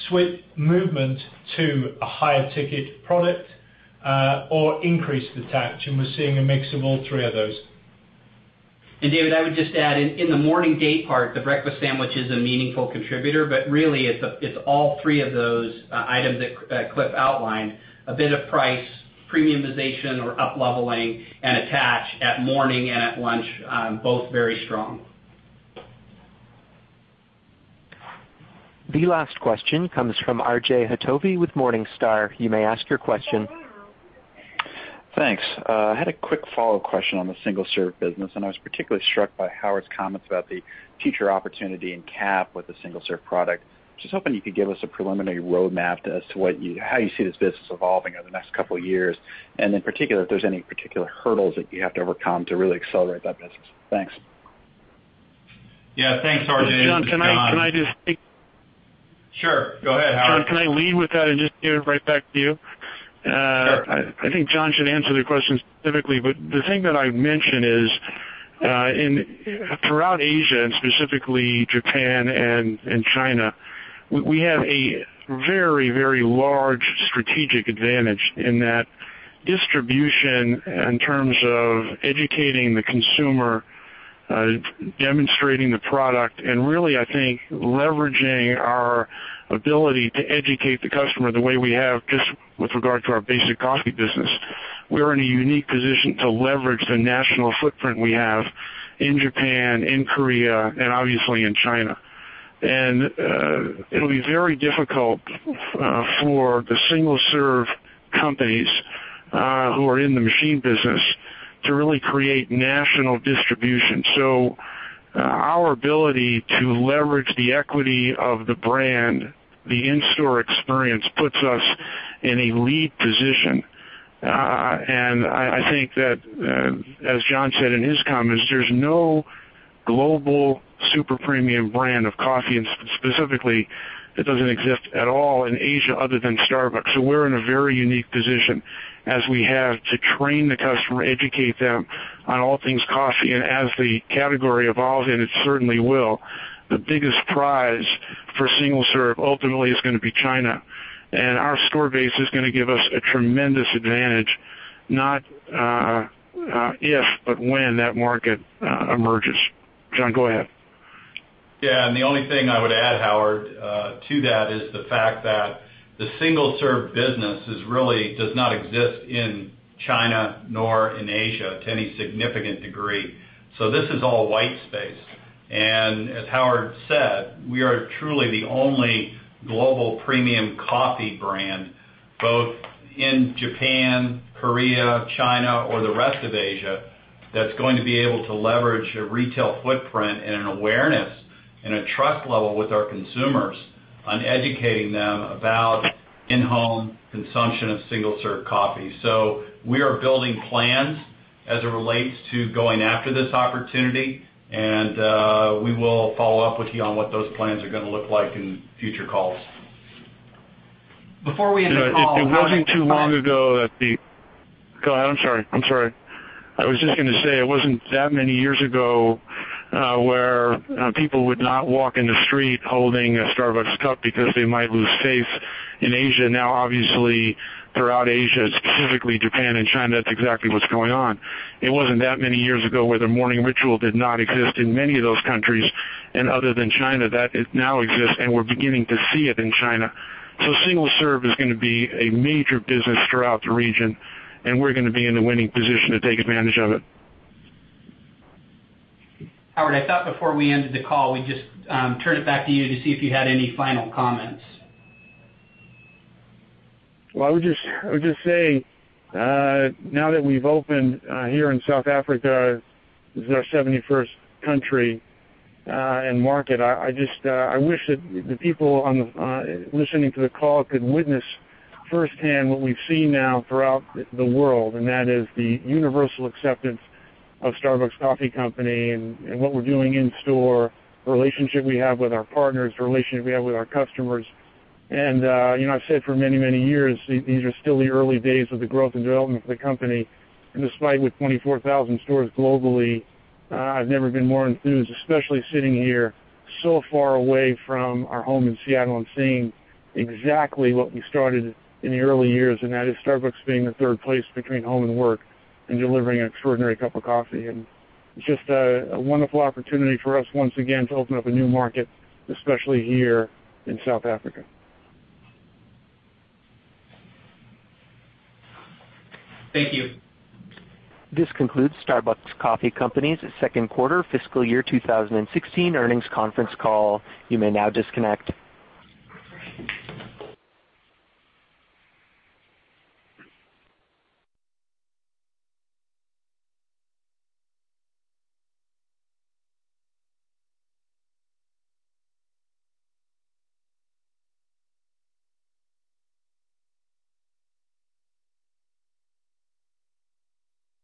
swift movement to a higher ticket product or increased attach, and we're seeing a mix of all three of those. David, I would just add, in the morning day part, the breakfast sandwich is a meaningful contributor, but really it's all three of those items that Cliff outlined, a bit of price premiumization or upleveling and attach at morning and at lunch, both very strong. The last question comes from R.J. Hottovy with Morningstar. You may ask your question. Thanks. I had a quick follow-up question on the single-serve business. I was particularly struck by Howard's comments about the future opportunity in CAP with the single-serve product. Just hoping you could give us a preliminary roadmap as to how you see this business evolving over the next couple of years, and in particular, if there's any particular hurdles that you have to overcome to really accelerate that business. Thanks. Yeah. Thanks, RJ, and John- John, can I just take? Sure. Go ahead, Howard. John, can I lead with that and just give it right back to you? Sure. I think John should answer the questions specifically, but the thing that I'd mention is throughout Asia, and specifically Japan and China, we have a very large strategic advantage in that distribution in terms of educating the consumer, demonstrating the product, and really, I think, leveraging our ability to educate the customer the way we have just with regard to our basic coffee business. We're in a unique position to leverage the national footprint we have in Japan, in Korea, and obviously in China. It'll be very difficult for the single-serve companies who are in the machine business to really create national distribution. Our ability to leverage the equity of the brand, the in-store experience, puts us in a lead position. I think that, as John said in his comments, there's no global super-premium brand of coffee, specifically that doesn't exist at all in Asia other than Starbucks. We're in a very unique position as we have to train the customer, educate them on all things coffee. As the category evolves, and it certainly will, the biggest prize for single-serve ultimately is going to be China. Our store base is going to give us a tremendous advantage, not if, but when that market emerges. John, go ahead. Yeah, the only thing I would add, Howard, to that is the fact that the single-serve business really does not exist in China nor in Asia to any significant degree. This is all white space. As Howard said, we are truly the only global premium coffee brand, both in Japan, Korea, China, or the rest of Asia, that's going to be able to leverage a retail footprint and an awareness and a trust level with our consumers on educating them about in-home consumption of single-serve coffee. We are building plans as it relates to going after this opportunity, and we will follow up with you on what those plans are going to look like in future calls. Before we end the call. Go ahead, I'm sorry. I was just going to say it wasn't that many years ago where people would not walk in the street holding a Starbucks cup because they might lose face in Asia. Now, obviously, throughout Asia, specifically Japan and China, that's exactly what's going on. It wasn't that many years ago where the morning ritual did not exist in many of those countries, and other than China, that it now exists, and we're beginning to see it in China. Single-serve is going to be a major business throughout the region, and we're going to be in the winning position to take advantage of it. Howard, I thought before we ended the call, we'd just turn it back to you to see if you had any final comments. Well, I would just say, now that we've opened here in South Africa, this is our 71st country and market, I wish that the people listening to the call could witness firsthand what we've seen now throughout the world, and that is the universal acceptance of Starbucks Coffee Company and what we're doing in store, the relationship we have with our partners, the relationship we have with our customers. I've said for many years, these are still the early days of the growth and development of the company. Despite with 24,000 stores globally, I've never been more enthused, especially sitting here so far away from our home in Seattle and seeing exactly what we started in the early years, and that is Starbucks being the third place between home and work and delivering an extraordinary cup of coffee. It's just a wonderful opportunity for us once again to open up a new market, especially here in South Africa. Thank you. This concludes Starbucks Coffee Company's second quarter fiscal year 2016 earnings conference call. You may now disconnect.